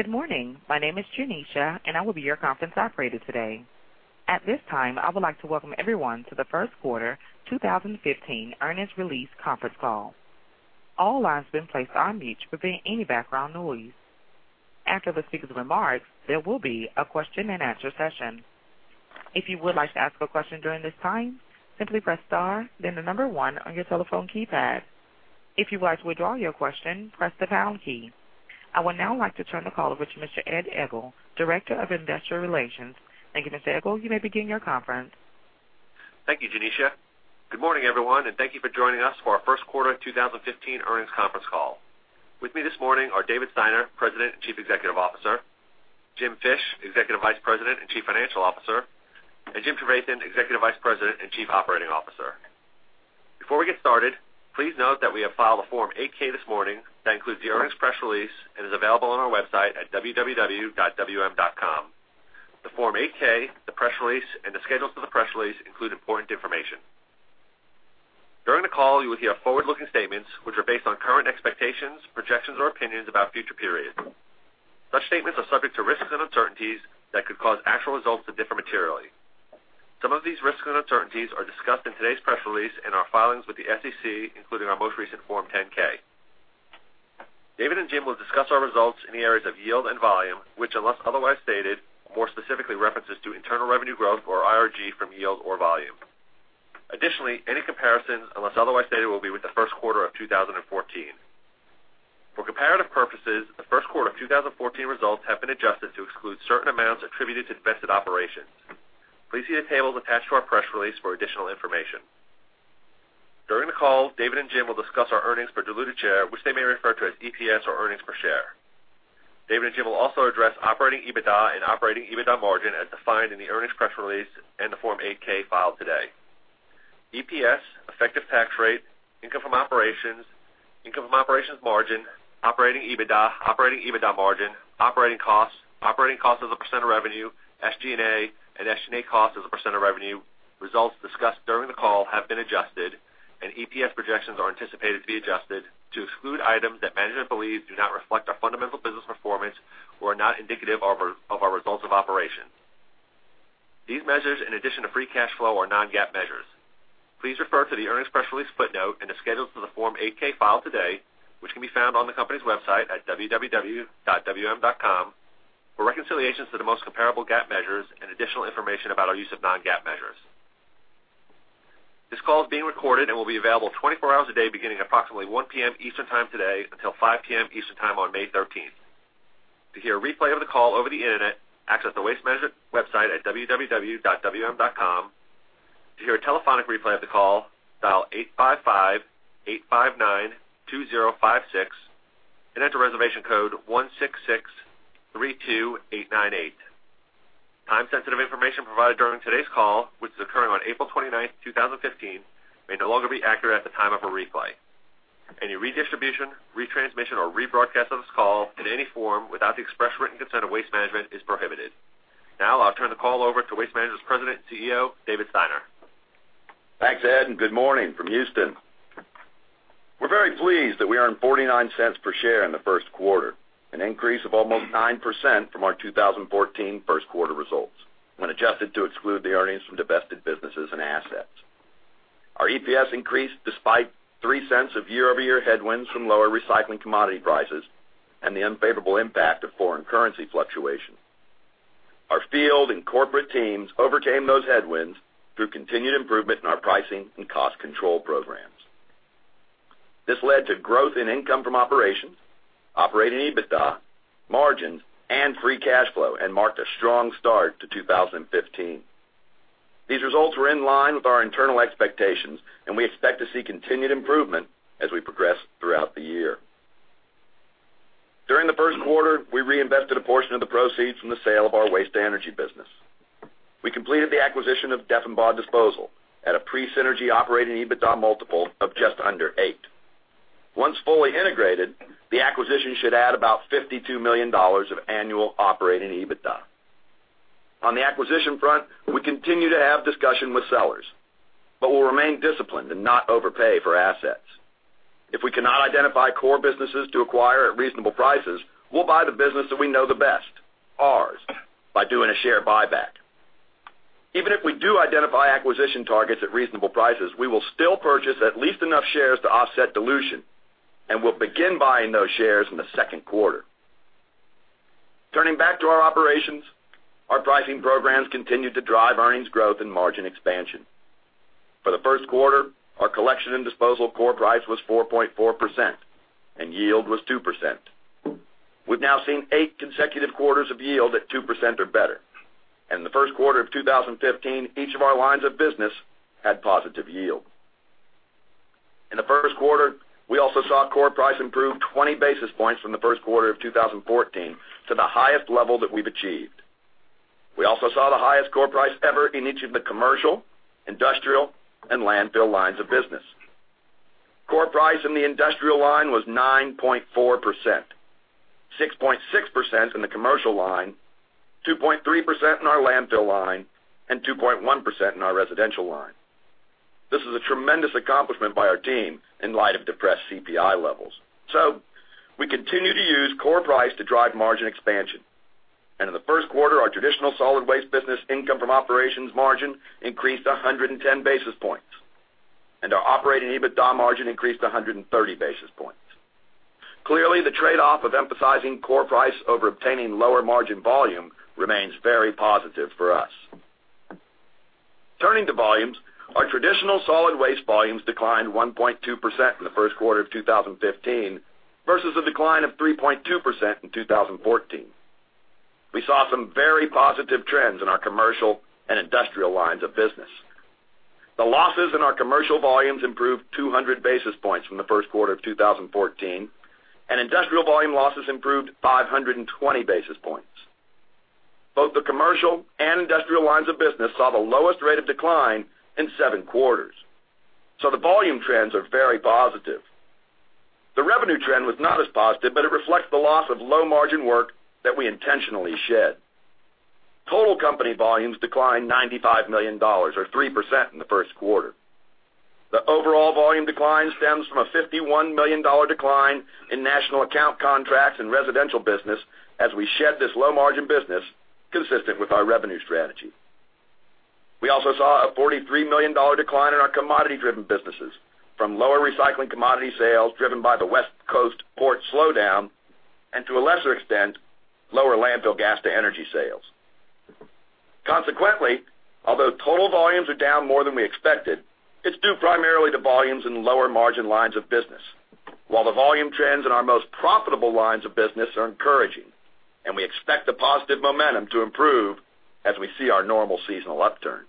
Good morning. My name is Janisha, and I will be your conference operator today. At this time, I would like to welcome everyone to the first quarter 2015 earnings release conference call. All lines have been placed on mute to prevent any background noise. After the speaker's remarks, there will be a question-and-answer session. If you would like to ask a question during this time, simply press star then 1 on your telephone keypad. If you would like to withdraw your question, press the pound key. I would now like to turn the call over to Mr. Ed Egl, Director of Investor Relations. Thank you, Mr. Egl. You may begin your conference. Thank you, Janisha. Good morning, everyone, and thank you for joining us for our first quarter 2015 earnings conference call. With me this morning are David Steiner, President and Chief Executive Officer, Jim Fish, Executive Vice President and Chief Financial Officer, and Jim Trevathan, Executive Vice President and Chief Operating Officer. Before we get started, please note that we have filed a Form 8-K this morning that includes the earnings press release and is available on our website at www.wm.com. The Form 8-K, the press release, and the schedules for the press release include important information. During the call, you will hear forward-looking statements, which are based on current expectations, projections, or opinions about future periods. Such statements are subject to risks and uncertainties that could cause actual results to differ materially. Some of these risks and uncertainties are discussed in today's press release and our filings with the SEC, including our most recent Form 10-K. David and Jim will discuss our results in the areas of yield and volume, which unless otherwise stated, more specifically references to internal revenue growth or IRG from yield or volume. Any comparisons, unless otherwise stated, will be with the first quarter of 2014. For comparative purposes, the first quarter of 2014 results have been adjusted to exclude certain amounts attributed to divested operations. Please see the tables attached to our press release for additional information. During the call, David and Jim will discuss our earnings per diluted share, which they may refer to as EPS or earnings per share. David and Jim will also address operating EBITDA and operating EBITDA margin as defined in the earnings press release and the Form 8-K filed today. EPS, effective tax rate, income from operations, income from operations margin, operating EBITDA, operating EBITDA margin, operating costs, operating costs as a % of revenue, SG&A, and SG&A costs as a % of revenue, results discussed during the call have been adjusted and EPS projections are anticipated to be adjusted to exclude items that management believes do not reflect our fundamental business performance or are not indicative of our results of operations. These measures, in addition to free cash flow, are non-GAAP measures. Please refer to the earnings press release footnote and the schedules to the Form 8-K filed today, which can be found on the company's website at www.wm.com for reconciliations to the most comparable GAAP measures and additional information about our use of non-GAAP measures. This call is being recorded and will be available 24 hours a day beginning at approximately 1:00 P.M. Eastern time today until 5:00 P.M. Eastern time on May 13th. To hear a replay of the call over the Internet, access the Waste Management website at www.wm.com. To hear a telephonic replay of the call, dial 855-859-2056 and enter reservation code 16632898. Time-sensitive information provided during today's call, which is occurring on April 29th, 2015, may no longer be accurate at the time of a replay. Any redistribution, retransmission, or rebroadcast of this call in any form without the express written consent of Waste Management is prohibited. I'll turn the call over to Waste Management's President and CEO, David Steiner. Thanks, Ed, good morning from Houston. We're very pleased that we earned $0.49 per share in the first quarter, an increase of almost 9% from our 2014 first quarter results when adjusted to exclude the earnings from divested businesses and assets. Our EPS increased despite $0.03 of year-over-year headwinds from lower recycling commodity prices and the unfavorable impact of foreign currency fluctuation. Our field and corporate teams overcame those headwinds through continued improvement in our pricing and cost control programs. This led to growth in income from operations, operating EBITDA, margins, and free cash flow and marked a strong start to 2015. These results were in line with our internal expectations. We expect to see continued improvement as we progress throughout the year. During the first quarter, we reinvested a portion of the proceeds from the sale of our waste-to-energy business. We completed the acquisition of Deffenbaugh Disposal at a pre-synergy operating EBITDA multiple of just under 8. Once fully integrated, the acquisition should add about $52 million of annual operating EBITDA. On the acquisition front, we continue to have discussion with sellers. We'll remain disciplined and not overpay for assets. If we cannot identify core businesses to acquire at reasonable prices, we'll buy the business that we know the best, ours, by doing a share buyback. Even if we do identify acquisition targets at reasonable prices, we will still purchase at least enough shares to offset dilution. We'll begin buying those shares in the second quarter. Turning back to our operations, our pricing programs continued to drive earnings growth and margin expansion. For the first quarter, our collection and disposal core price was 4.4% and yield was 2%. We've now seen 8 consecutive quarters of yield at 2% or better. In the first quarter of 2015, each of our lines of business had positive yield. In the first quarter, we also saw core price improve 20 basis points from the first quarter of 2014 to the highest level that we've achieved. We also saw the highest core price ever in each of the commercial, industrial, and landfill lines of business. Core price in the industrial line was 9.4%, 6.6% in the commercial line, 2.3% in our landfill line, and 2.1% in our residential line. This is a tremendous accomplishment by our team in light of depressed CPI levels. We continue to use core price to drive margin expansion. In the first quarter, our traditional solid waste business income from operations margin increased 110 basis points, and our operating EBITDA margin increased 130 basis points. Clearly, the trade-off of emphasizing core price over obtaining lower margin volume remains very positive for us. Turning to volumes, our traditional solid waste volumes declined 1.2% in the first quarter of 2015 versus a decline of 3.2% in 2014. We saw some very positive trends in our commercial and industrial lines of business. The losses in our commercial volumes improved 200 basis points from the first quarter of 2014, and industrial volume losses improved 520 basis points. Both the commercial and industrial lines of business saw the lowest rate of decline in seven quarters. The volume trends are very positive. The revenue trend was not as positive, but it reflects the loss of low-margin work that we intentionally shed. Total company volumes declined $95 million, or 3% in the first quarter. The overall volume decline stems from a $51 million decline in national account contracts and residential business as we shed this low-margin business consistent with our revenue strategy. We also saw a $43 million decline in our commodity-driven businesses from lower recycling commodity sales, driven by the West Coast port slowdown and, to a lesser extent, lower landfill gas to energy sales. Although total volumes are down more than we expected, it's due primarily to volumes in lower margin lines of business. While the volume trends in our most profitable lines of business are encouraging, and we expect the positive momentum to improve as we see our normal seasonal upturn.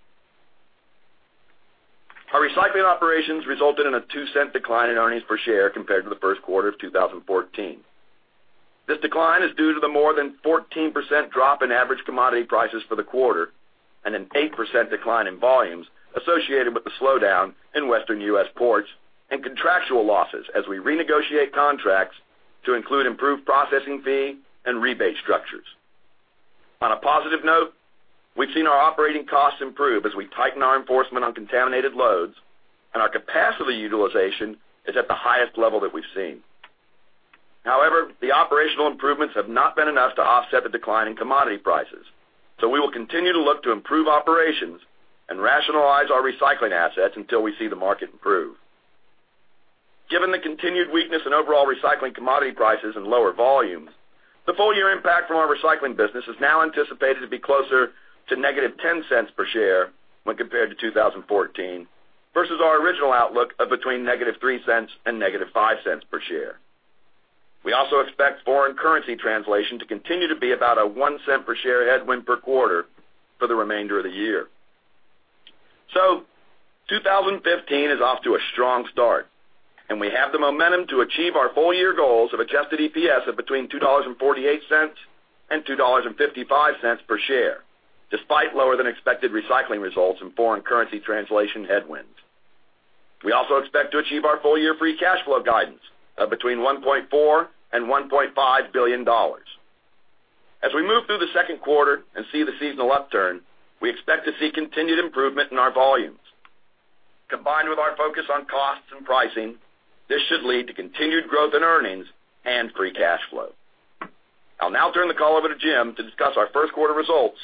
Our recycling operations resulted in a $0.02 decline in earnings per share compared to the first quarter of 2014. This decline is due to the more than 14% drop in average commodity prices for the quarter and an 8% decline in volumes associated with the slowdown in Western U.S. ports and contractual losses as we renegotiate contracts to include improved processing fee and rebate structures. On a positive note, we've seen our operating costs improve as we tighten our enforcement on contaminated loads, and our capacity utilization is at the highest level that we've seen. However, the operational improvements have not been enough to offset the decline in commodity prices. We will continue to look to improve operations and rationalize our recycling assets until we see the market improve. Given the continued weakness in overall recycling commodity prices and lower volumes, the full-year impact from our recycling business is now anticipated to be closer to -$0.10 per share when compared to 2014, versus our original outlook of between -$0.03 per share and -$0.05 per share. We also expect foreign currency translation to continue to be about a $0.01 per share headwind per quarter for the remainder of the year. 2015 is off to a strong start, and we have the momentum to achieve our full year goals of adjusted EPS of between $2.48 and $2.55 per share, despite lower than expected recycling results and foreign currency translation headwinds. We also expect to achieve our full year free cash flow guidance of between $1.4 billion and $1.5 billion. As we move through the second quarter and see the seasonal upturn, we expect to see continued improvement in our volumes. Combined with our focus on costs and pricing, this should lead to continued growth in earnings and free cash flow. I will now turn the call over to Jim to discuss our first quarter results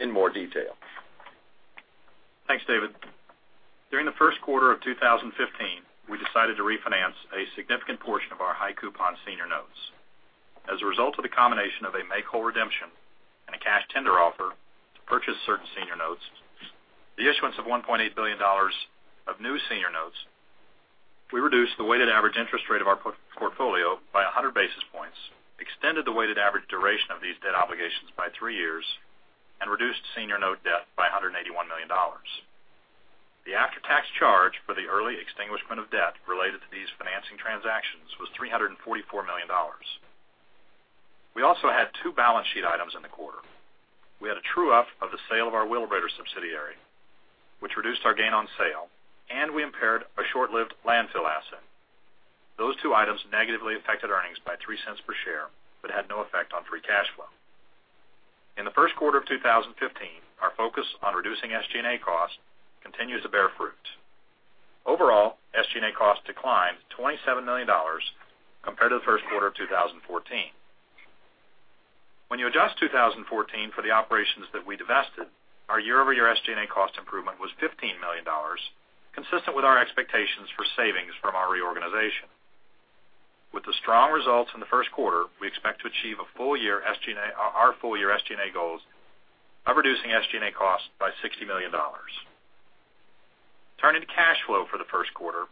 in more detail. Thanks, David. During the first quarter of 2015, we decided to refinance a significant portion of our high coupon senior notes. As a result of the combination of a make-whole redemption and a cash tender offer to purchase certain senior notes, the issuance of $1.8 billion of new senior notes, we reduced the weighted average interest rate of our portfolio by 100 basis points, extended the weighted average duration of these debt obligations by three years, and reduced senior note debt by $181 million. The after-tax charge for the early extinguishment of debt related to these financing transactions was $344 million. We also had two balance sheet items in the quarter. We had a true-up of the sale of our Wheelabrator subsidiary, which reduced our gain on sale, and we impaired a short-lived landfill asset. Those two items negatively affected earnings by $0.03 per share, had no effect on free cash flow. In the first quarter of 2015, our focus on reducing SG&A costs continues to bear fruit. Overall, SG&A costs declined $27 million compared to the first quarter of 2014. When you adjust 2014 for the operations that we divested, our year-over-year SG&A cost improvement was $15 million, consistent with our expectations for savings from our reorganization. With the strong results in the first quarter, we expect to achieve our full year SG&A goals of reducing SG&A costs by $60 million. Turning to cash flow for the first quarter,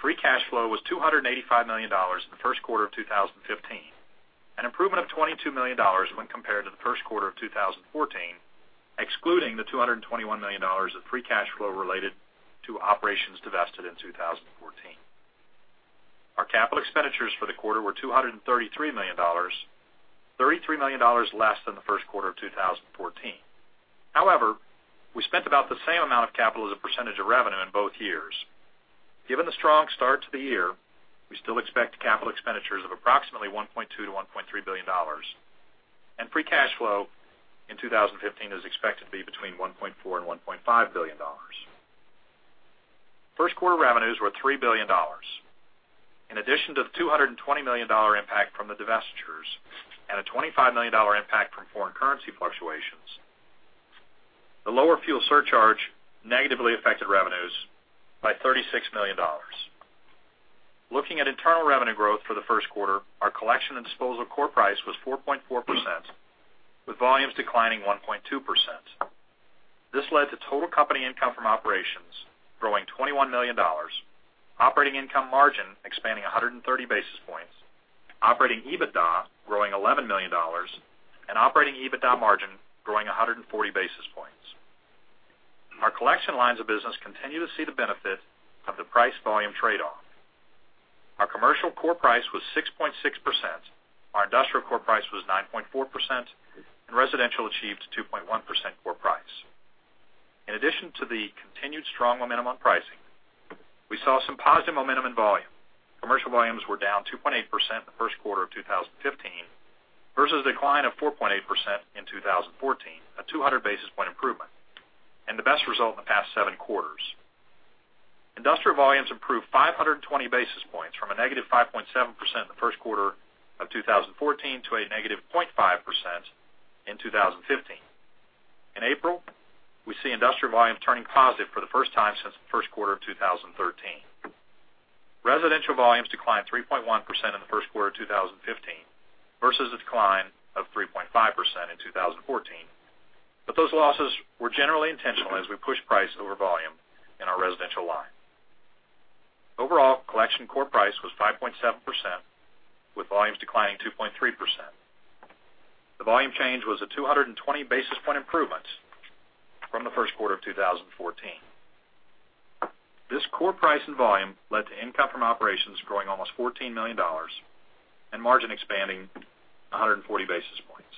free cash flow was $285 million in the first quarter of 2015, an improvement of $22 million when compared to the first quarter of 2014, excluding the $221 million of free cash flow related to operations divested in 2014. Our capital expenditures for the quarter were $233 million, $33 million less than the first quarter of 2014. However, we spent about the same amount of capital as a percentage of revenue in both years. Given the strong start to the year, we still expect capital expenditures of approximately $1.2 billion to $1.3 billion. Free cash flow in 2015 is expected to be between $1.4 billion and $1.5 billion. First quarter revenues were $3 billion. In addition to the $220 million impact from the divestitures and a $25 million impact from foreign currency fluctuations, the lower fuel surcharge negatively affected revenues by $36 million. Looking at internal revenue growth for the first quarter, our collection and disposal core price was 4.4%, with volumes declining 1.2%. This led to total company income from operations growing $21 million, operating income margin expanding 130 basis points, operating EBITDA growing $11 million, and operating EBITDA margin growing 140 basis points. Our collection lines of business continue to see the benefit of the price-volume trade-off. Our commercial core price was 6.6%, our industrial core price was 9.4%, and residential achieved 2.1% core price. In addition to the continued strong momentum on pricing, we saw some positive momentum in volume. Commercial volumes were down 2.8% in the first quarter of 2015 versus a decline of 4.8% in 2014, a 200 basis point improvement, and the best result in the past seven quarters. Industrial volumes improved 520 basis points from a negative 5.7% in the first quarter of 2014 to a negative 0.5% in 2015. In April, we see industrial volumes turning positive for the first time since the first quarter of 2013. Residential volumes declined 3.1% in the first quarter of 2015 versus a decline of 3.5% in 2014. But those losses were generally intentional as we pushed price over volume in our residential line. Overall, collection core price was 5.7%, with volumes declining 2.3%. The volume change was a 220 basis point improvement from the first quarter of 2014. This core price and volume led to income from operations growing almost $14 million and margin expanding 140 basis points.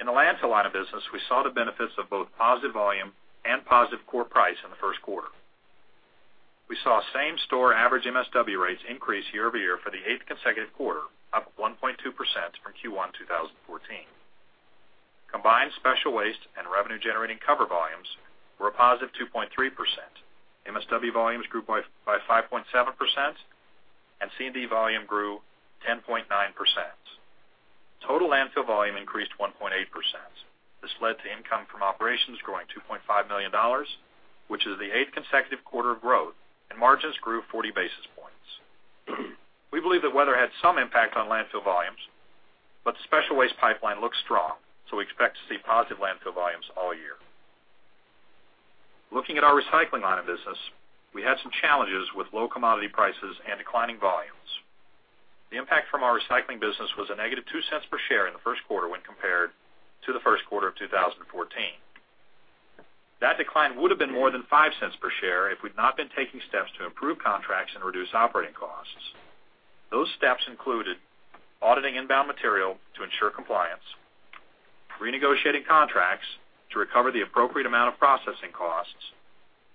In the landfill line of business, we saw the benefits of both positive volume and positive core price in the first quarter. We saw same-store average MSW rates increase year-over-year for the eighth consecutive quarter, up 1.2% from Q1 2014. Combined special waste and revenue-generating cover volumes were a positive 2.3%. MSW volumes grew by 5.7%, and C&D volume grew 10.9%. Total landfill volume increased 1.8%. This led to income from operations growing $2.5 million, which is the eighth consecutive quarter of growth, and margins grew 40 basis points. We believe that weather had some impact on landfill volumes, but the special waste pipeline looks strong, so we expect to see positive landfill volumes all year. Looking at our recycling line of business, we had some challenges with low commodity prices and declining volumes. The impact from our recycling business was a negative $0.02 per share in the first quarter when compared to the first quarter of 2014. That decline would have been more than $0.05 per share if we'd not been taking steps to improve contracts and reduce operating costs. Those steps included auditing inbound material to ensure compliance, renegotiating contracts to recover the appropriate amount of processing costs,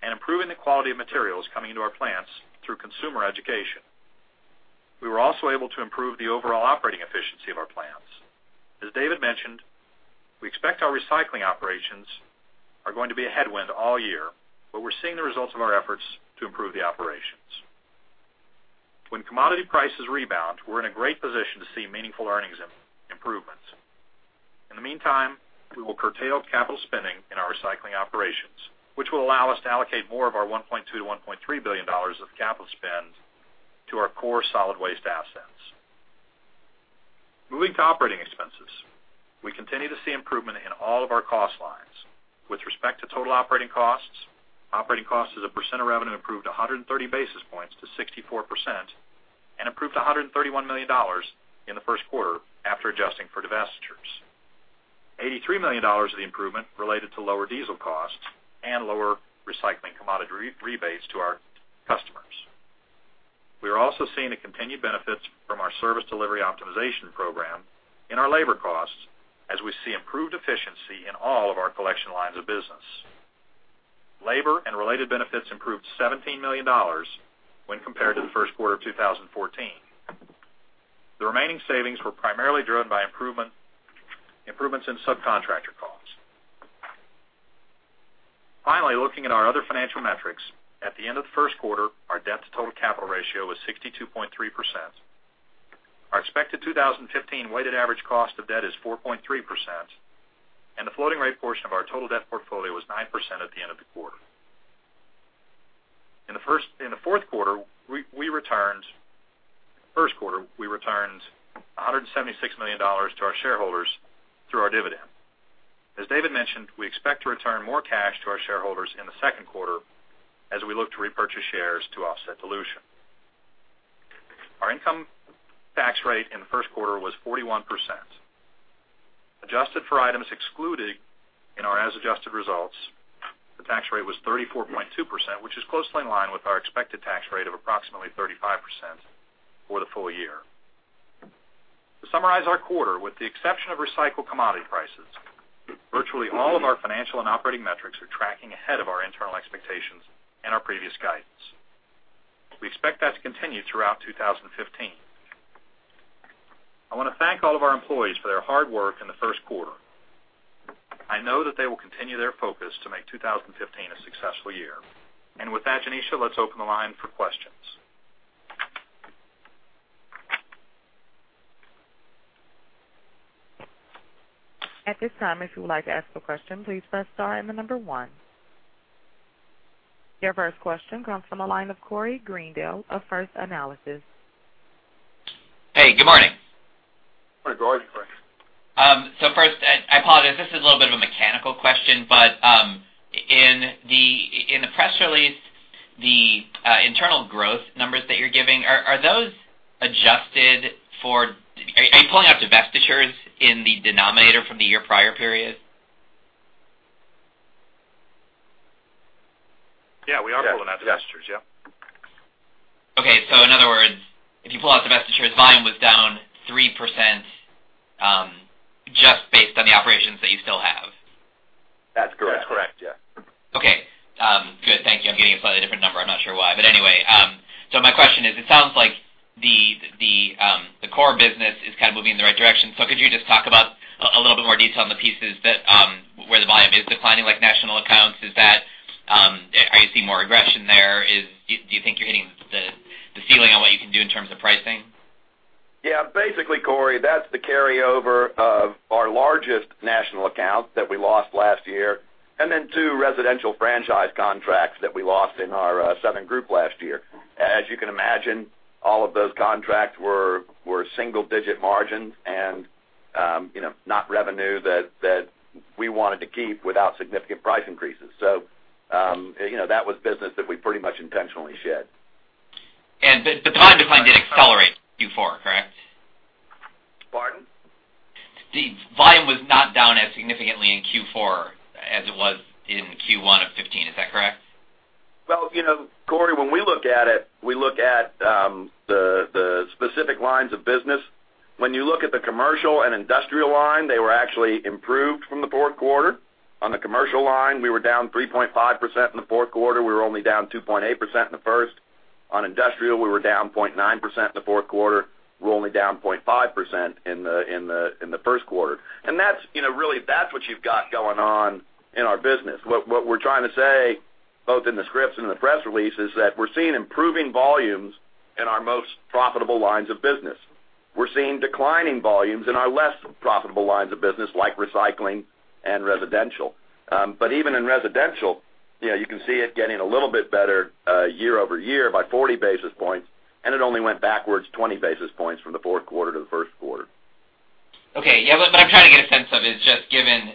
and improving the quality of materials coming into our plants through consumer education. We were also able to improve the overall operating efficiency of our plants. As David mentioned, we expect our recycling operations are going to be a headwind all year, but we're seeing the results of our efforts to improve the operations. When commodity prices rebound, we're in a great position to see meaningful earnings improvements. In the meantime, we will curtail capital spending in our recycling operations, which will allow us to allocate more of our $1.2 billion-$1.3 billion of capital spend to our core solid waste assets. Moving to operating expenses. We continue to see improvement in all of our cost lines. With respect to total operating costs, operating costs as a percent of revenue improved 130 basis points to 64% and improved to $131 million in the first quarter after adjusting for divestitures. $83 million of the improvement related to lower diesel costs and lower recycling commodity rebates to our customers. We are also seeing the continued benefits from our service delivery optimization program in our labor costs as we see improved efficiency in all of our collection lines of business. Labor and related benefits improved $17 million when compared to the first quarter of 2014. The remaining savings were primarily driven by improvements in subcontractor costs. Finally, looking at our other financial metrics. At the end of the first quarter, our debt to total capital ratio was 62.3%. Our expected 2015 weighted average cost of debt is 4.3%, and the floating rate portion of our total debt portfolio was 9% at the end of the quarter. In the first quarter, we returned $176 million to our shareholders through our dividend. As David mentioned, we expect to return more cash to our shareholders in the second quarter as we look to repurchase shares to offset dilution. Our income tax rate in the first quarter was 41%. Adjusted for items excluded in our as-adjusted results, the tax rate was 34.2%, which is closely in line with our expected tax rate of approximately 35% for the full year. To summarize our quarter, with the exception of recycled commodity prices, virtually all of our financial and operating metrics are tracking ahead of our internal expectations and our previous guidance. We expect that to continue throughout 2015. I want to thank all of our employees for their hard work in the first quarter. I know that they will continue their focus to make 2015 a successful year. With that, Janisha, let's open the line for questions. At this time, if you would like to ask a question, please press star and the number one. Your first question comes from the line of Corey Greendale of First Analysis. Hey, good morning. Good morning, Corey. First, I apologize. This is a little bit of a mechanical question, but in the press release, the internal growth numbers that you're giving, are you pulling out divestitures in the denominator from the year prior period? Yeah, we are pulling out divestitures. Yeah. Okay. In other words, if you pull out divestitures, volume was down 3% just based on the operations that you still have. That's correct. Yeah. Okay. Good. Thank you. I'm getting a slightly different number. I'm not sure why. Anyway, my question is, it sounds like the core business is kind of moving in the right direction. Could you just talk about a little bit more detail on the pieces where the volume is declining, like national accounts? Are you seeing more aggression there? Do you think you're hitting the ceiling on what you can do in terms of pricing? Yeah. Basically, Corey, that's the carryover of our largest national account that we lost last year, and then two residential franchise contracts that we lost in our southern group last year. As you can imagine, all of those contracts were single-digit margins and not revenue that we wanted to keep without significant price increases. That was business that we pretty much intentionally shed. The volume decline did accelerate Q4, correct? Pardon? The volume was not down as significantly in Q4 as it was in Q1 of 2015. Is that correct? Well, Corey, when we look at it, we look at the specific lines of business. When you look at the commercial and industrial line, they were actually improved from the fourth quarter. On the commercial line, we were down 3.5% in the fourth quarter. We were only down 2.8% in the first. On industrial, we were down 0.9% in the fourth quarter. We're only down 0.5% in the first quarter. Really, that's what you've got going on in our business. What we're trying to say, both in the scripts and in the press release, is that we're seeing improving volumes in our most profitable lines of business. We're seeing declining volumes in our less profitable lines of business, like recycling and residential. Even in residential, you can see it getting a little bit better year-over-year by 40 basis points, and it only went backwards 20 basis points from the fourth quarter to the first quarter. What I'm trying to get a sense of is just given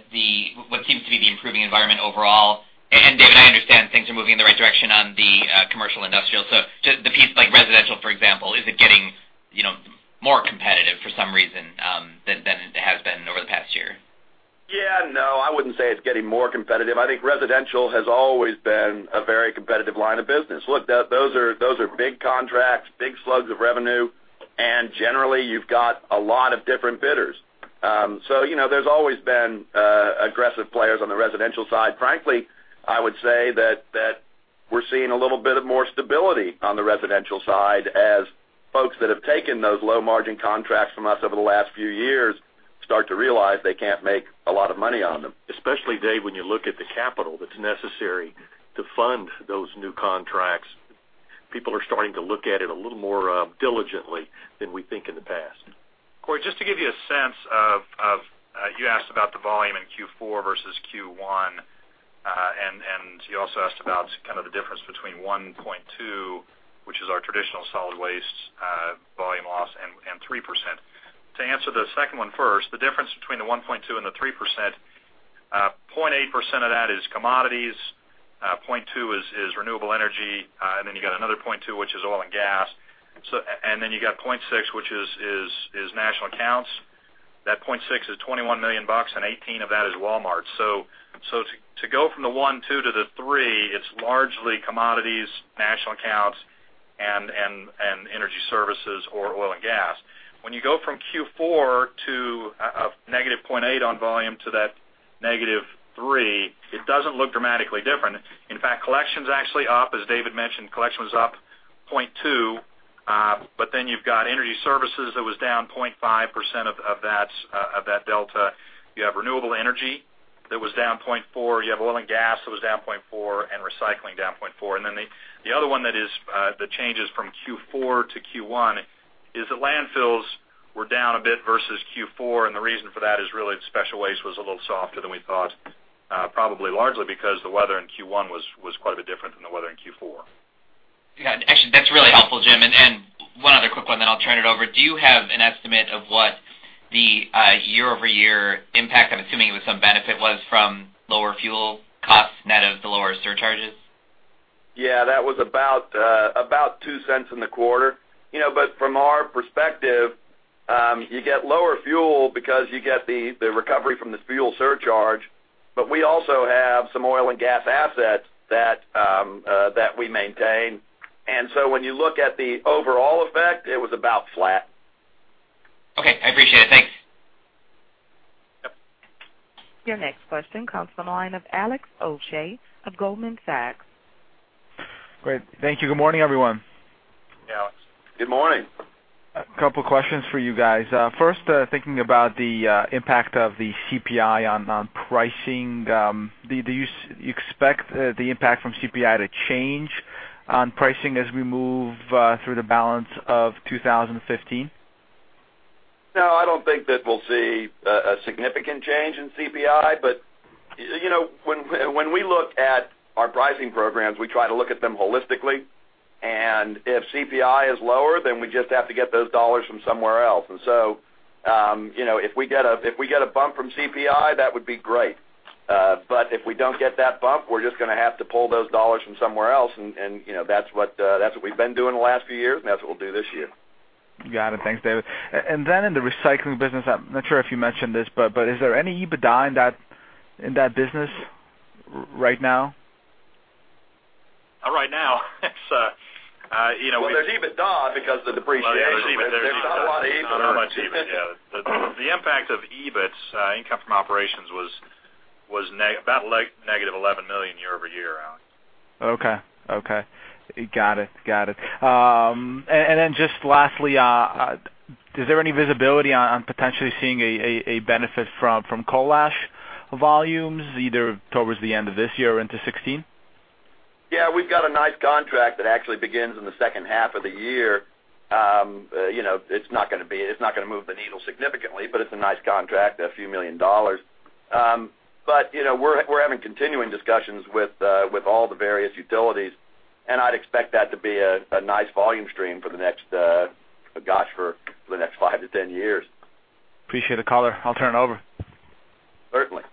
what seems to be the improving environment overall. David, I understand things are moving in the right direction on the commercial industrial. Just the piece like residential, for example, is it getting more competitive for some reason than it has been over the past year? Yeah. No, I wouldn't say it's getting more competitive. I think residential has always been a very competitive line of business. Look, those are big contracts, big slugs of revenue, and generally, you've got a lot of different bidders. There's always been aggressive players on the residential side. Frankly, I would say that we're seeing a little bit of more stability on the residential side as folks that have taken those low-margin contracts from us over the last few years start to realize they can't make a lot of money on them. Especially, Dave, when you look at the capital that's necessary to fund those new contracts. People are starting to look at it a little more diligently than we think in the past. Corey, just to give you a sense of. You asked about the volume in Q4 versus Q1. You also asked about kind of the difference between 1.2%, which is our traditional solid waste volume loss, and 3%. To answer the second one first, the difference between the 1.2% and the 3%, 0.8% of that is commodities, 0.2% is renewable energy. You got another 0.2%, which is oil and gas. You got 0.6%, which is national accounts. That 0.6% is $21 million, and $18 million of that is Walmart. To go from the 1.2% to the 3%, it's largely commodities, national accounts, and energy services or oil and gas. When you go from Q4 to a -0.8% on volume to that -3%, it doesn't look dramatically different. In fact, collection's actually up. As David mentioned, collection was up 0.2%. You've got energy services that was down 0.5% of that delta. You have renewable energy that was down 0.4%. You have oil and gas that was down 0.4%, and recycling down 0.4%. The other one that changes from Q4 to Q1 is that landfills were down a bit versus Q4, and the reason for that is really special waste was a little softer than we thought, probably largely because the weather in Q1 was quite a bit different than the weather in Q4. Yeah. Actually, that's really helpful, Jim. One other quick one, then I'll turn it over. Do you have an estimate of what the year-over-year impact, I'm assuming it was some benefit, was from lower fuel costs net of the lower surcharges? Yeah, that was about $0.02 in the quarter. From our perspective, you get lower fuel because you get the recovery from the fuel surcharge. We also have some oil and gas assets that we maintain. When you look at the overall effect, it was about flat. Okay, I appreciate it. Thanks. Yep. Your next question comes from the line of Alex Ochei of Goldman Sachs. Great. Thank you. Good morning, everyone. Yeah, Alex. Good morning. A couple of questions for you guys. First, thinking about the impact of the CPI on pricing. Do you expect the impact from CPI to change on pricing as we move through the balance of 2015? No, I don't think that we'll see a significant change in CPI. When we look at our pricing programs, we try to look at them holistically. If CPI is lower, we just have to get those dollars from somewhere else. If we get a bump from CPI, that would be great. If we don't get that bump, we're just going to have to pull those dollars from somewhere else. That's what we've been doing the last few years, and that's what we'll do this year. Got it. Thanks, David. In the recycling business, I'm not sure if you mentioned this, is there any EBITDA in that business right now? Right now, it's- There's EBITDA because of the depreciation. There's EBITDA. There's not a lot of EBIT. Not much EBIT, yeah. The impact of EBIT's income from operations was about negative $11 million year-over-year, Alex. Okay. Got it. Just lastly, is there any visibility on potentially seeing a benefit from coal ash volumes, either towards the end of this year or into 2016? Yeah, we've got a nice contract that actually begins in the second half of the year. It's not going to move the needle significantly, but it's a nice contract, a few million dollars. We're having continuing discussions with all the various utilities, and I'd expect that to be a nice volume stream for the next five to 10 years. Appreciate the color. I'll turn it over. Certainly.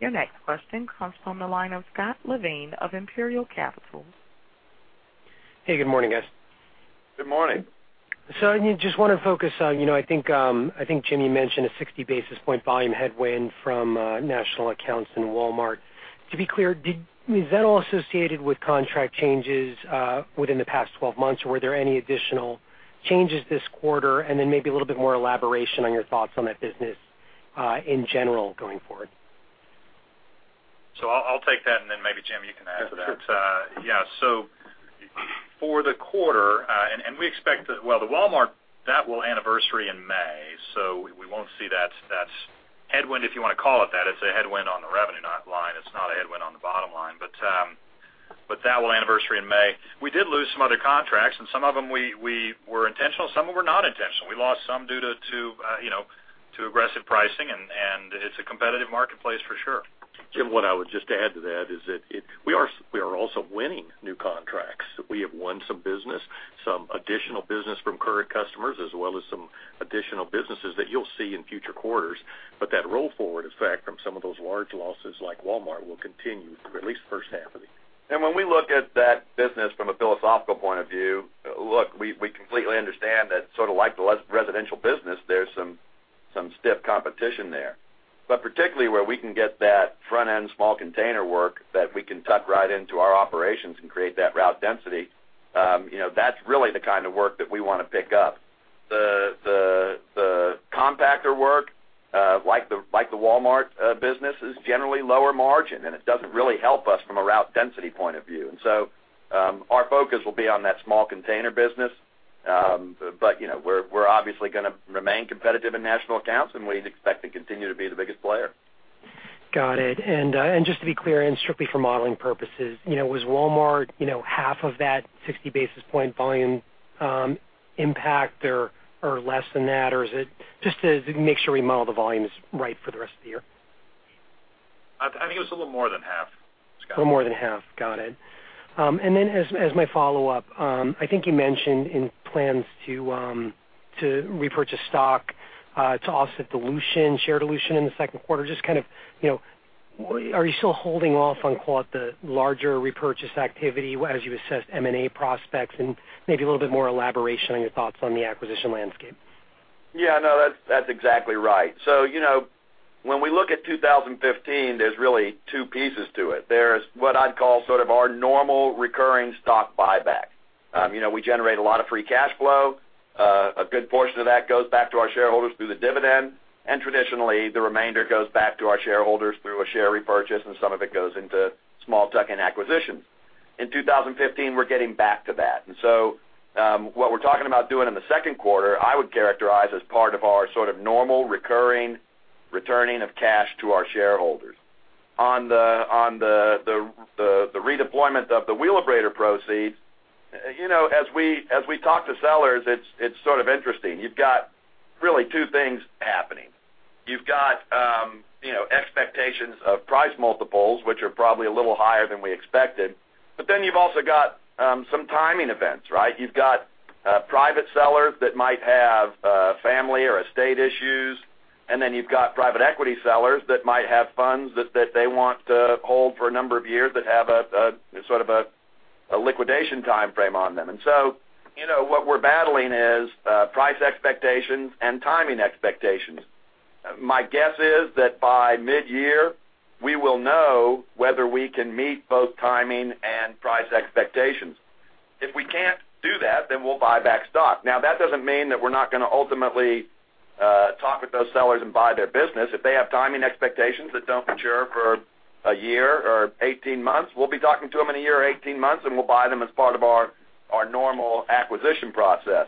Your next question comes from the line of Scott Levine of Imperial Capital. Hey, good morning, guys. Good morning. I just want to focus on, I think Jim, you mentioned a 60 basis point volume headwind from national accounts in Walmart. To be clear, is that all associated with contract changes within the past 12 months, or were there any additional changes this quarter? Maybe a little bit more elaboration on your thoughts on that business in general going forward. I'll take that, and then maybe, Jim, you can add to that. Sure. Yeah. For the quarter, well, the Walmart, that will anniversary in May, so we won't see that headwind, if you want to call it that. It's a headwind on the revenue line. It's not a headwind on the bottom line. That will anniversary in May. We did lose some other contracts, and some of them were intentional, some of them were not intentional. We lost some due to aggressive pricing, and it's a competitive marketplace for sure. Jim, what I would just add to that is that we are also winning new contracts. We have won some business, some additional business from current customers, as well as some additional businesses that you'll see in future quarters. That roll forward effect from some of those large losses like Walmart will continue for at least the first half of the year. When we look at that business from a philosophical point of view, look, we completely understand that sort of like the residential business, there's some stiff competition there. Particularly where we can get that front end small container work that we can tuck right into our operations and create that route density, that's really the kind of work that we want to pick up. The compactor work, like the Walmart business, is generally lower margin, and it doesn't really help us from a route density point of view. Our focus will be on that small container business. We're obviously going to remain competitive in national accounts, and we expect to continue to be the biggest player. Got it. Just to be clear, and strictly for modeling purposes, was Walmart half of that 60 basis point volume impact or less than that? Is it just to make sure we model the volumes right for the rest of the year? I think it was a little more than half, Scott. A little more than half. Got it. As my follow-up, I think you mentioned plans to repurchase stock to offset dilution, share dilution in the second quarter. Just kind of, are you still holding off on, call it, the larger repurchase activity as you assess M&A prospects, and maybe a little bit more elaboration on your thoughts on the acquisition landscape? Yeah, no, that's exactly right. When we look at 2015, there's really two pieces to it. There's what I'd call sort of our normal recurring stock buyback. We generate a lot of free cash flow. A good portion of that goes back to our shareholders through the dividend. Traditionally, the remainder goes back to our shareholders through a share repurchase, and some of it goes into small tuck-in acquisitions. In 2015, we're getting back to that. What we're talking about doing in the second quarter, I would characterize as part of our sort of normal recurring returning of cash to our shareholders. On the redeployment of the Wheelabrator proceeds, as we talk to sellers, it's sort of interesting. You've got really two things happening. You've got expectations of price multiples, which are probably a little higher than we expected. You've also got some timing events, right? You've got private sellers that might have family or estate issues, and then you've got private equity sellers that might have funds that they want to hold for a number of years that have a sort of a liquidation timeframe on them. What we're battling is price expectations and timing expectations. My guess is that by midyear, we will know whether we can meet both timing and price expectations. If we can't do that, we'll buy back stock. That doesn't mean that we're not going to ultimately talk with those sellers and buy their business. If they have timing expectations that don't mature for a year or 18 months, we'll be talking to them in a year or 18 months, and we'll buy them as part of our normal acquisition process.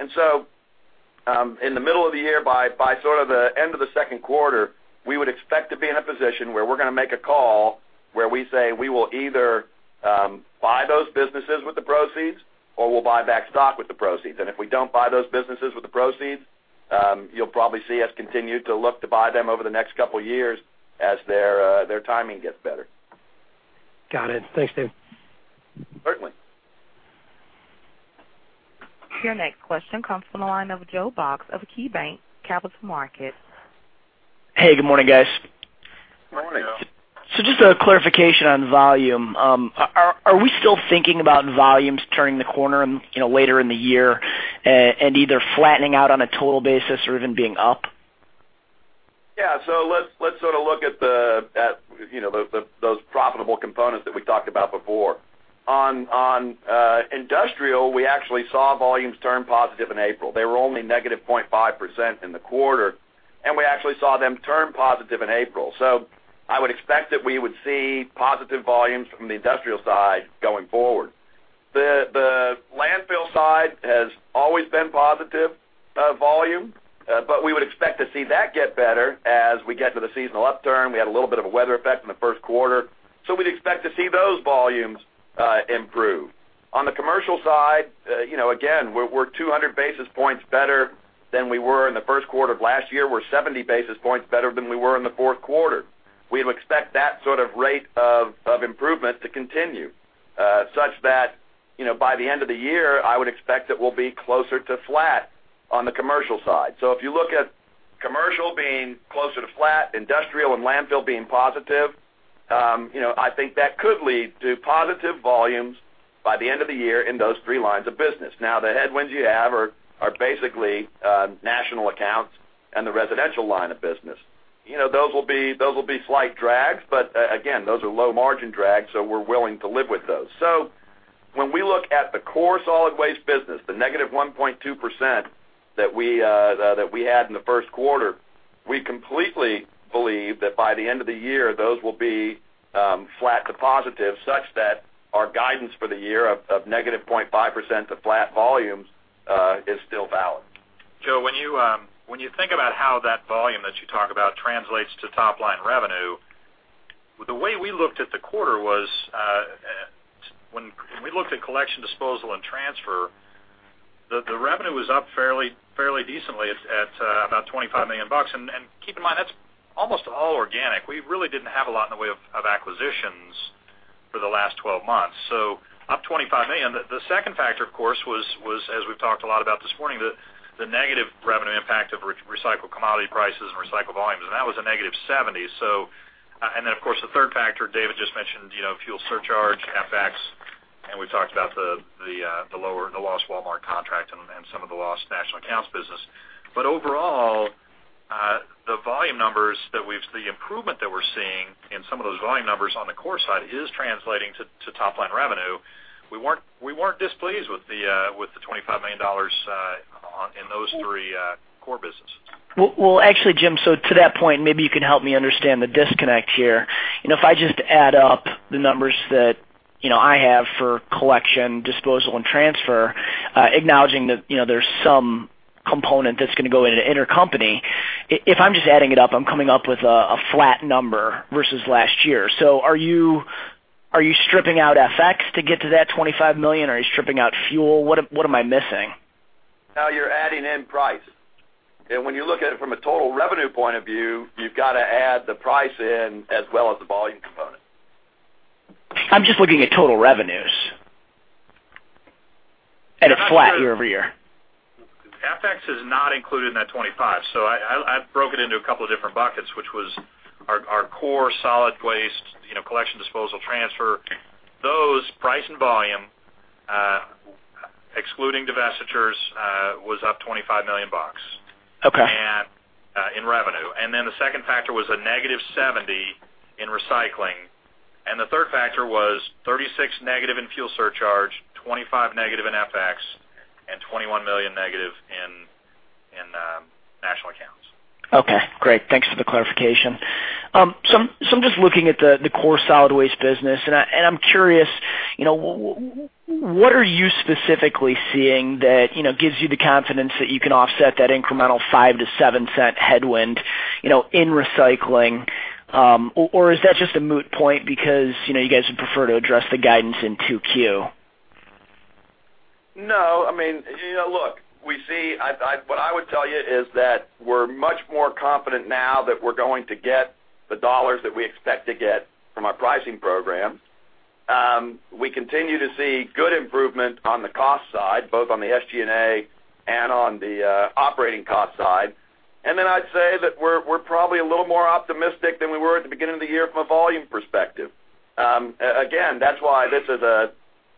In the middle of the year, by sort of the end of the second quarter, we would expect to be in a position where we're going to make a call where we say we will either buy those businesses with the proceeds, or we'll buy back stock with the proceeds. If we don't buy those businesses with the proceeds, you'll probably see us continue to look to buy them over the next couple of years as their timing gets better. Got it. Thanks, David. Certainly. Your next question comes from the line of Joe Box of KeyBanc Capital Markets. Hey, good morning, guys. Morning. Just a clarification on volume. Are we still thinking about volumes turning the corner later in the year and either flattening out on a total basis or even being up? Let's sort of look at those profitable components that we talked about before. On industrial, we actually saw volumes turn positive in April. They were only negative 0.5% in the quarter, and we actually saw them turn positive in April. I would expect that we would see positive volumes from the industrial side going forward. The landfill side has always been positive volume, but we would expect to see that get better as we get to the seasonal upturn. We had a little bit of a weather effect in the first quarter, we'd expect to see those volumes improve. On the commercial side, again, we're 200 basis points better than we were in the first quarter of last year. We're 70 basis points better than we were in the fourth quarter. We would expect that sort of rate of improvement to continue such that by the end of the year, I would expect that we'll be closer to flat on the commercial side. If you look at commercial being closer to flat, industrial and landfill being positive, I think that could lead to positive volumes by the end of the year in those three lines of business. The headwinds you have are basically national accounts and the residential line of business. Those will be slight drags, but again, those are low-margin drags, we're willing to live with those. When we look at the core solid waste business, the negative 1.2% that we had in the first quarter, we completely believe that by the end of the year, those will be flat to positive, such that our guidance for the year of negative 0.5% to flat volumes is still valid. Joe, when you think about how that volume that you talk about translates to top-line revenue, the way we looked at the quarter was when we looked at collection, disposal, and transfer, the revenue was up fairly decently at about $25 million. Keep in mind, that's almost all organic. We really didn't have a lot in the way of acquisitions for the last 12 months, so up $25 million. The second factor, of course, was, as we've talked a lot about this morning, the negative revenue impact of recycled commodity prices and recycled volumes, and that was a negative $70. Then, of course, the third factor David just mentioned, fuel surcharge, FX, and we've talked about the lost Walmart contract and some of the lost national accounts business. Overall, the volume numbers, the improvement that we're seeing in some of those volume numbers on the core side is translating to top-line revenue. We weren't displeased with the $25 million in those three core businesses. Well, actually, Jim, to that point, maybe you can help me understand the disconnect here. If I just add up the numbers that I have for collection, disposal, and transfer, acknowledging that there's some component that's going to go into intercompany, if I'm just adding it up, I'm coming up with a flat number versus last year. Are you stripping out FX to get to that $25 million, or are you stripping out fuel? What am I missing? No, you're adding in price. When you look at it from a total revenue point of view, you've got to add the price in as well as the volume component. I'm just looking at total revenues at a flat year-over-year. FX is not included in that $25. I broke it into a couple of different buckets, which was our core solid waste, collection, disposal, transfer. Those price and volume, excluding divestitures, was up $25 million. Okay In revenue. The second factor was a negative $70 in recycling, and the third factor was $36 negative in fuel surcharge, $25 negative in FX, and $21 million negative in national accounts. Okay, great. Thanks for the clarification. I'm just looking at the core solid waste business, and I'm curious, what are you specifically seeing that gives you the confidence that you can offset that incremental $0.05-$0.07 headwind in recycling? Or is that just a moot point because you guys would prefer to address the guidance in 2Q? No. Look, what I would tell you is that we're much more confident now that we're going to get the dollars that we expect to get from our pricing program. We continue to see good improvement on the cost side, both on the SG&A and on the operating cost side. I'd say that we're probably a little more optimistic than we were at the beginning of the year from a volume perspective. Again, that's why this is a.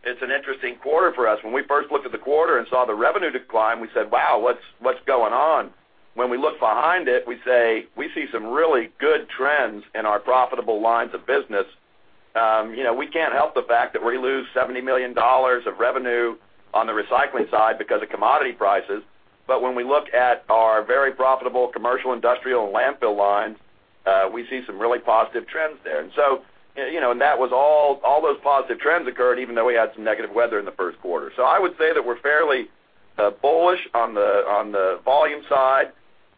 It's an interesting quarter for us. When we first looked at the quarter and saw the revenue decline, we said, "Wow, what's going on?" When we look behind it, we say, "We see some really good trends in our profitable lines of business." We can't help the fact that we lose $70 million of revenue on the recycling side because of commodity prices. When we look at our very profitable commercial, industrial, and landfill lines, we see some really positive trends there. All those positive trends occurred even though we had some negative weather in the first quarter. I would say that we're fairly bullish on the volume side.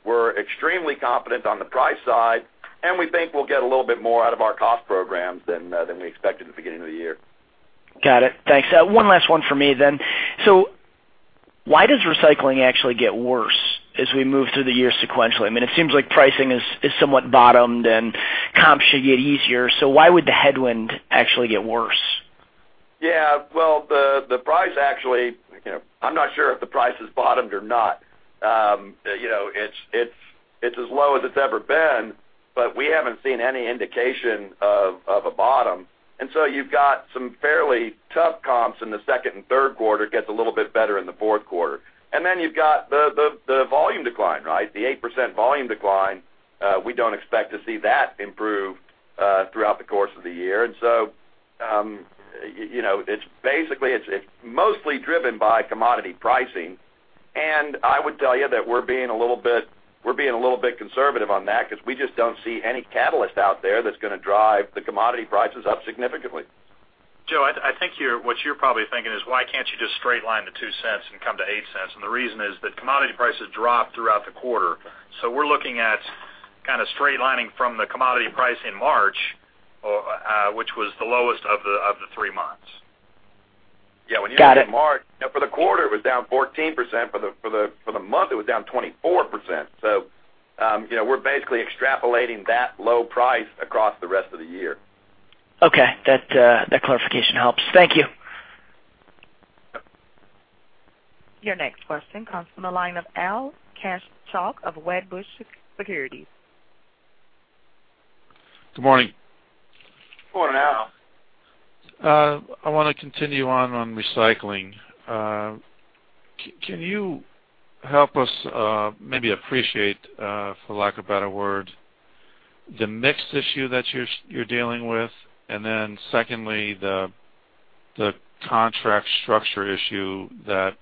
We're extremely confident on the price side, and we think we'll get a little bit more out of our cost programs than we expected at the beginning of the year. Got it. Thanks. One last one for me then. Why does recycling actually get worse as we move through the year sequentially? It seems like pricing is somewhat bottomed and comps should get easier. Why would the headwind actually get worse? Yeah. Well, the price actually, I'm not sure if the price has bottomed or not. It's as low as it's ever been, but we haven't seen any indication of a bottom. You've got some fairly tough comps in the second and third quarter, gets a little bit better in the fourth quarter. You've got the volume decline. The 8% volume decline, we don't expect to see that improve throughout the course of the year. Basically, it's mostly driven by commodity pricing, and I would tell you that we're being a little bit conservative on that because we just don't see any catalyst out there that's going to drive the commodity prices up significantly. Joe, I think what you're probably thinking is why can't you just straight line the $0.02 and come to $0.08? The reason is that commodity prices dropped throughout the quarter. We're looking at kind of straight lining from the commodity price in March, which was the lowest of the three months. Yeah. When you look at March, for the quarter, it was down 14%. For the month, it was down 24%. We're basically extrapolating that low price across the rest of the year. Okay. That clarification helps. Thank you. Your next question comes from the line of Al Kaschalk of Wedbush Securities. Good morning. Morning, Al. I want to continue on recycling. Secondly, the contract structure issue that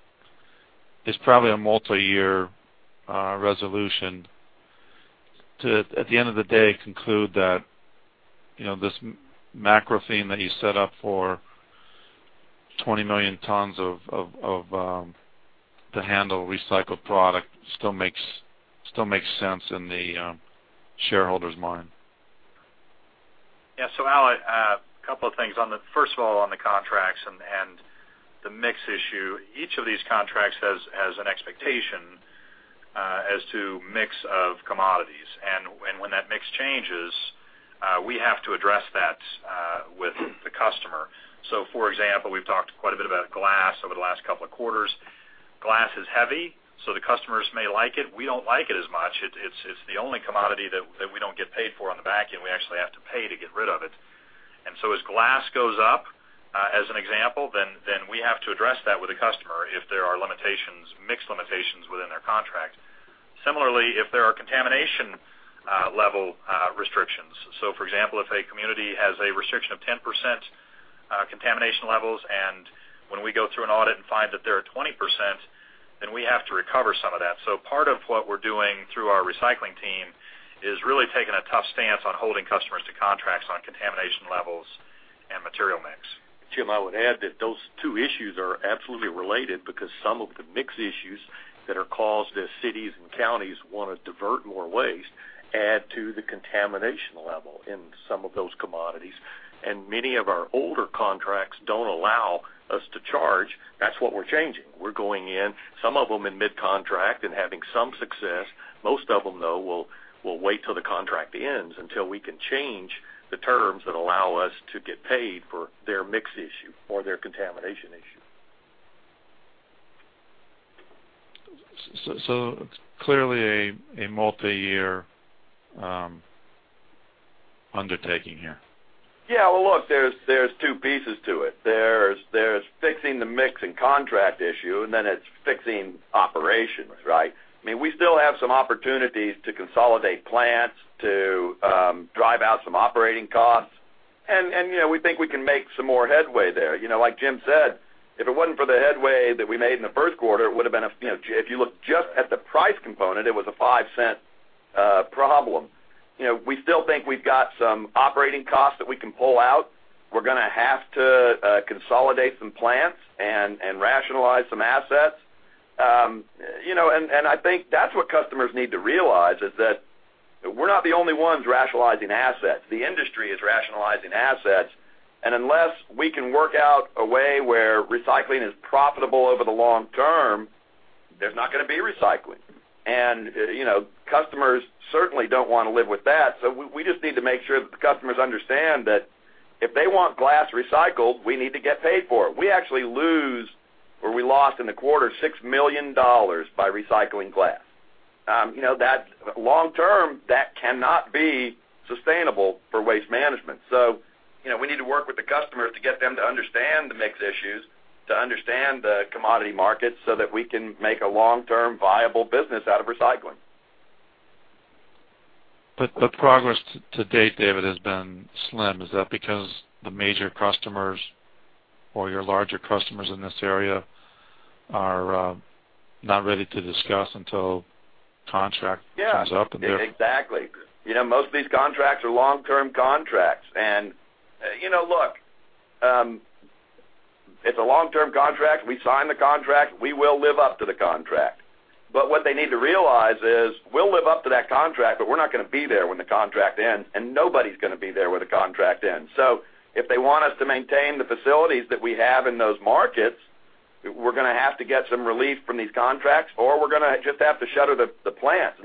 is probably a multi-year resolution to, at the end of the day, conclude that this macro theme that you set up for 20 million tons to handle recycled product still makes sense in the shareholder's mind? Yeah. Al, a couple of things. First of all, on the contracts and the mix issue, each of these contracts has an expectation as to mix of commodities. When that mix changes, we have to address that with the customer. For example, we've talked quite a bit about glass over the last couple of quarters. Glass is heavy, so the customers may like it. We don't like it as much. It's the only commodity that we don't get paid for on the back end. We actually have to pay to get rid of it. As glass goes up, as an example, then we have to address that with a customer if there are mix limitations within their contract. Similarly, if there are contamination level restrictions. For example, if a community has a restriction of 10% contamination levels, and when we go through an audit and find that they are 20%, then we have to recover some of that. Part of what we're doing through our recycling team is really taking a tough stance on holding customers to contracts on contamination levels and material mix. Jim, I would add that those two issues are absolutely related because some of the mix issues that are caused as cities and counties want to divert more waste add to the contamination level in some of those commodities. Many of our older contracts don't allow us to charge. That's what we're changing. We're going in, some of them in mid-contract and having some success. Most of them, though, we'll wait till the contract ends until we can change the terms that allow us to get paid for their mix issue or their contamination issue. Clearly a multi-year undertaking here. Well, look, there's two pieces to it. There's fixing the mix and contract issue, then it's fixing operations. We still have some opportunities to consolidate plants, to drive out some operating costs, we think we can make some more headway there. Like Jim said, if it wasn't for the headway that we made in the first quarter, if you look just at the price component, it was a $0.05 problem. We still think we've got some operating costs that we can pull out. We're going to have to consolidate some plants and rationalize some assets. I think that's what customers need to realize is that we're not the only ones rationalizing assets. The industry is rationalizing assets, unless we can work out a way where recycling is profitable over the long term, there's not going to be recycling. Customers certainly don't want to live with that. We just need to make sure that the customers understand that if they want glass recycled, we need to get paid for it. We actually lose, or we lost in the quarter, $6 million by recycling glass. Long term, that cannot be sustainable for Waste Management. We need to work with the customers to get them to understand the mix issues, to understand the commodity markets, so that we can make a long-term viable business out of recycling. The progress to date, David, has been slim. Is that because the major customers or your larger customers in this area are not ready to discuss until contract comes up? Yeah, exactly. Most of these contracts are long-term contracts. Look, it's a long-term contract. We signed the contract. We will live up to the contract. What they need to realize is we'll live up to that contract, but we're not going to be there when the contract ends, and nobody's going to be there when the contract ends. If they want us to maintain the facilities that we have in those markets, we're going to have to get some relief from these contracts, or we're going to just have to shutter the plants.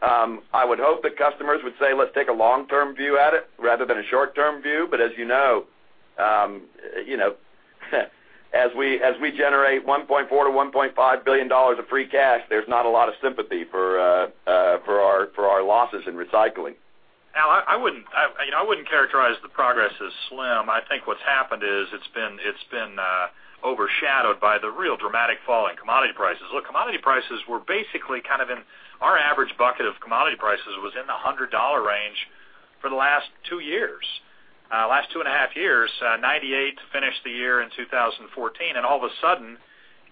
I would hope that customers would say, "Let's take a long-term view at it rather than a short-term view." As you know as we generate $1.4 billion-$1.5 billion of free cash, there's not a lot of sympathy for our losses in recycling. Al, I wouldn't characterize the progress as slim. I think what's happened is it's been overshadowed by the real dramatic fall in commodity prices. Look, commodity prices were basically in our average bucket of commodity prices was in the $100 range for the last two years. Last two and a half years, $98 to finish the year in 2014, and all of a sudden,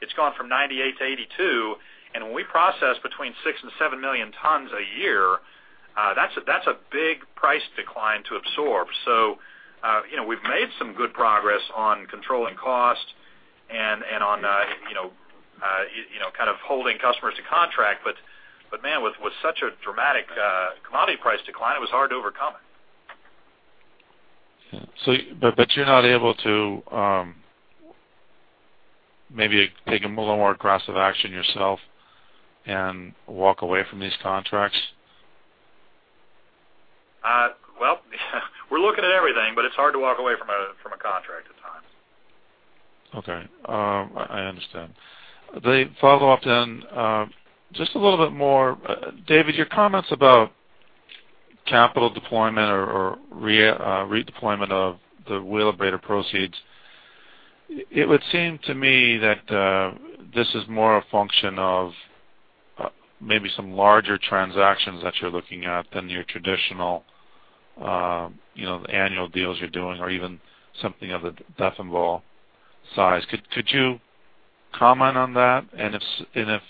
it's gone from $98 to $82. When we process between six and seven million tons a year, that's a big price decline to absorb. We've made some good progress on controlling cost and on holding customers to contract. Man, with such a dramatic commodity price decline, it was hard to overcome it. You're not able to maybe take a little more aggressive action yourself and walk away from these contracts? Well, we're looking at everything, but it's hard to walk away from a contract at times. Okay. I understand. The follow-up then, just a little bit more. David, your comments about capital deployment or redeployment of the Wheelabrator proceeds. It would seem to me that this is more a function of maybe some larger transactions that you're looking at than your traditional annual deals you're doing or even something of a Deffenbaugh size. Could you comment on that? If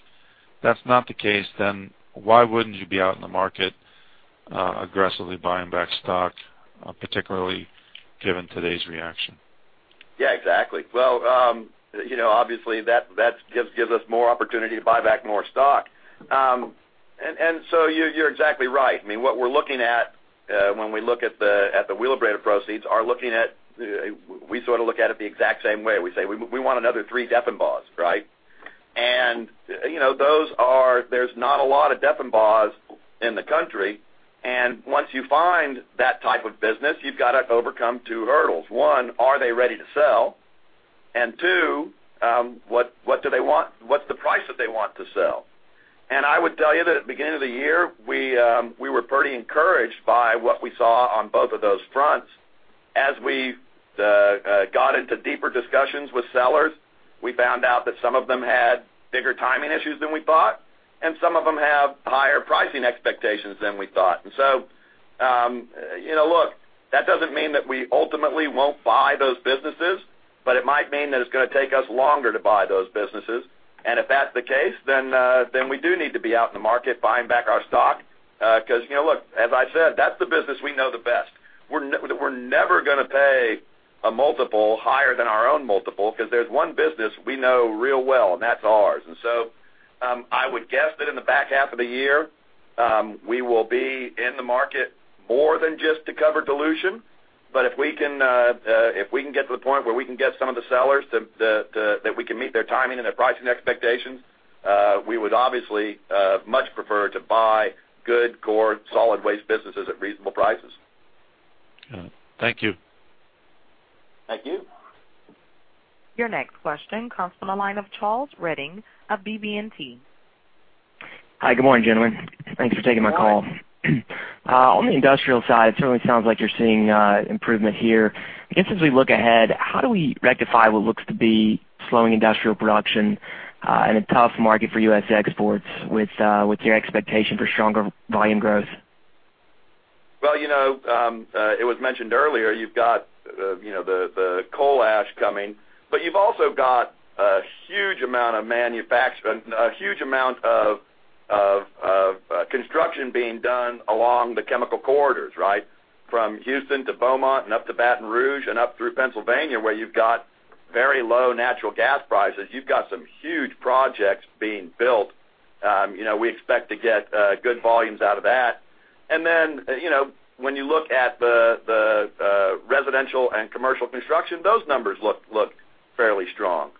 that's not the case, then why wouldn't you be out in the market aggressively buying back stock, particularly given today's reaction? Exactly. Obviously that gives us more opportunity to buy back more stock. You're exactly right. What we're looking at when we look at the Wheelabrator proceeds, we sort of look at it the exact same way. We say we want another three Deffenbaughs. There's not a lot of Deffenbaughs in the country. Once you find that type of business, you've got to overcome two hurdles. One, are they ready to sell? Two, what's the price that they want to sell? I would tell you that at the beginning of the year, we were pretty encouraged by what we saw on both of those fronts. As we got into deeper discussions with sellers, we found out that some of them had bigger timing issues than we thought, and some of them have higher pricing expectations than we thought. Look, that doesn't mean that we ultimately won't buy those businesses, but it might mean that it's going to take us longer to buy those businesses. If that's the case, we do need to be out in the market buying back our stock. Look, as I said, that's the business we know the best. We're never going to pay a multiple higher than our own multiple because there's one business we know real well, and that's ours. I would guess that in the back half of the year, we will be in the market more than just to cover dilution. If we can get to the point where we can get some of the sellers that we can meet their timing and their pricing expectations, we would obviously much prefer to buy good, core, solid waste businesses at reasonable prices. All right. Thank you. Thank you. Your next question comes from the line of Charles Redding of BB&T. Hi, good morning, gentlemen. Thanks for taking my call. Good morning. On the industrial side, it certainly sounds like you're seeing improvement here. I guess as we look ahead, how do we rectify what looks to be slowing industrial production and a tough market for U.S. exports with your expectation for stronger volume growth? It was mentioned earlier, you've got the coal ash coming, but you've also got a huge amount of construction being done along the chemical corridors. From Houston to Beaumont and up to Baton Rouge and up through Pennsylvania, where you've got very low natural gas prices. You've got some huge projects being built. We expect to get good volumes out of that. When you look at the residential and commercial construction, those numbers look fairly strong.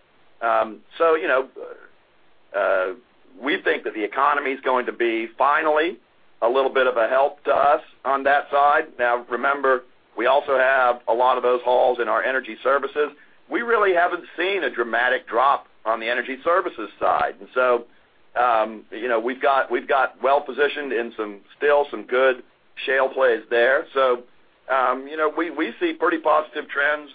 We think that the economy is going to be finally A little bit of a help to us on that side. Now remember, we also have a lot of those hauls in our energy services. We really haven't seen a dramatic drop on the energy services side. We've got well-positioned in some still some good shale plays there. We see pretty positive trends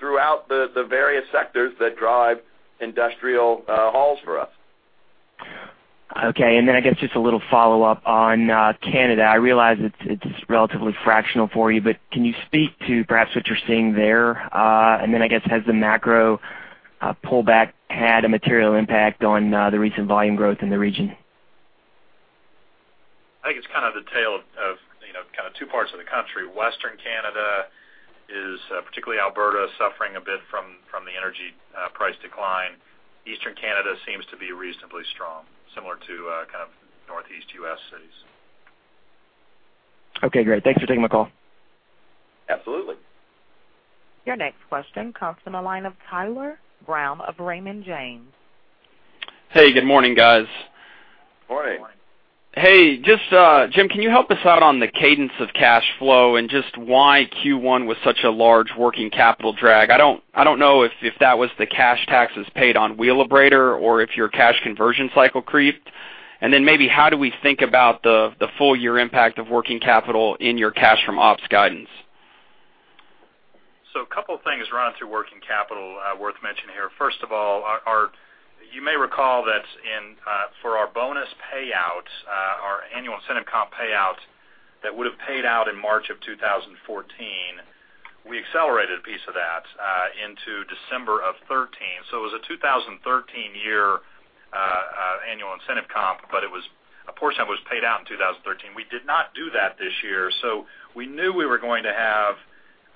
throughout the various sectors that drive industrial hauls for us. Okay. I guess just a little follow-up on Canada. I realize it's relatively fractional for you, but can you speak to perhaps what you're seeing there? I guess, has the macro pullback had a material impact on the recent volume growth in the region? I think it's the tale of two parts of the country. Western Canada is, particularly Alberta, suffering a bit from the energy price decline. Eastern Canada seems to be reasonably strong, similar to Northeast U.S. cities. Okay, great. Thanks for taking my call. Absolutely. Your next question comes from the line of Tyler Brown of Raymond James. Hey, good morning, guys. Morning. Hey. Just, Jim, can you help us out on the cadence of cash flow and just why Q1 was such a large working capital drag? I don't know if that was the cash taxes paid on Wheelabrator or if your cash conversion cycle creeped. Maybe how do we think about the full year impact of working capital in your cash from ops guidance? A couple things running through working capital worth mentioning here. First of all, you may recall that for our bonus payout, our annual incentive comp payout that would have paid out in March of 2014, we accelerated a piece of that into December of 2013. It was a 2013 year annual incentive comp, but a portion of it was paid out in 2013. We did not do that this year, we knew we were going to have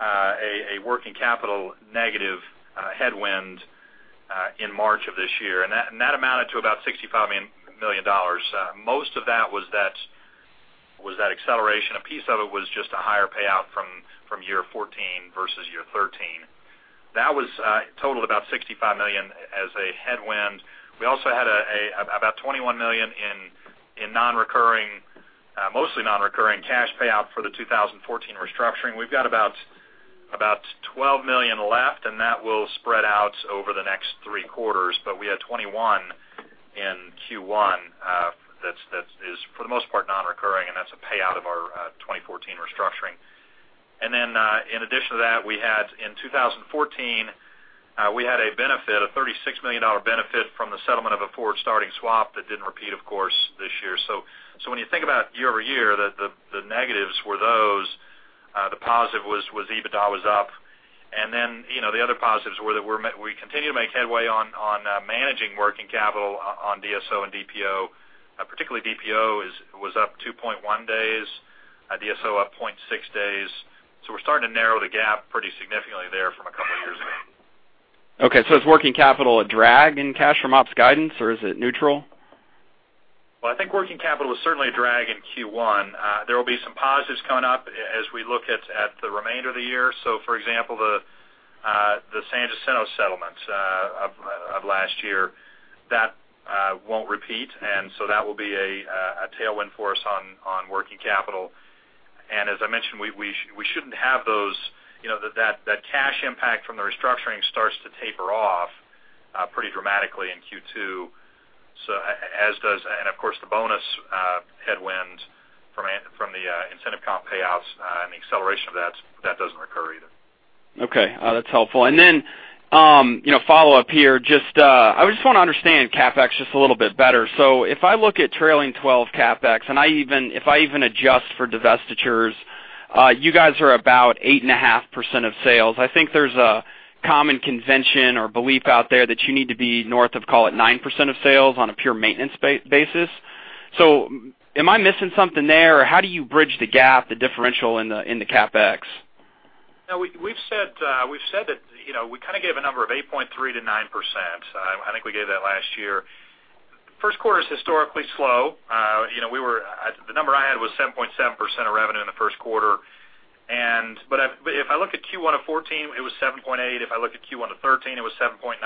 a working capital negative headwind in March of this year, and that amounted to about $65 million. Most of that was that acceleration. A piece of it was just a higher payout from year 2014 versus year 2013. That was totaled about $65 million as a headwind. We also had about $21 million in mostly non-recurring cash payout for the 2014 restructuring. We've got about $12 million left, and that will spread out over the next three quarters. We had $21 in Q1 that is, for the most part, non-recurring, and that's a payout of our 2014 restructuring. In addition to that, in 2014, we had a $36 million benefit from the settlement of a forward-starting swap that didn't repeat, of course, this year. When you think about year-over-year, the negatives were those. The positive was EBITDA was up. The other positives were that we continue to make headway on managing working capital on DSO and DPO. Particularly DPO was up 2.1 days, DSO up 0.6 days. We're starting to narrow the gap pretty significantly there from a couple of years ago. Okay. Is working capital a drag in cash from ops guidance, or is it neutral? I think working capital is certainly a drag in Q1. There will be some positives coming up as we look at the remainder of the year. For example, the San Jacinto settlements of last year, that won't repeat, that will be a tailwind for us on working capital. As I mentioned, we shouldn't have those. That cash impact from the restructuring starts to taper off pretty dramatically in Q2, of course, the bonus headwind from the incentive comp payouts and the acceleration of that doesn't recur either. Okay. That's helpful. Follow-up here. I just want to understand CapEx just a little bit better. If I look at trailing 12 CapEx, and if I even adjust for divestitures, you guys are about 8.5% of sales. I think there's a common convention or belief out there that you need to be north of, call it, 9% of sales on a pure maintenance basis. Am I missing something there, or how do you bridge the gap, the differential in the CapEx? No. We've said that we gave a number of 8.3% to 9%. I think we gave that last year. First quarter is historically slow. The number I had was 7.7% of revenue in the first quarter. If I look at Q1 of 2014, it was 7.8%. If I look at Q1 of 2013, it was 7.9%.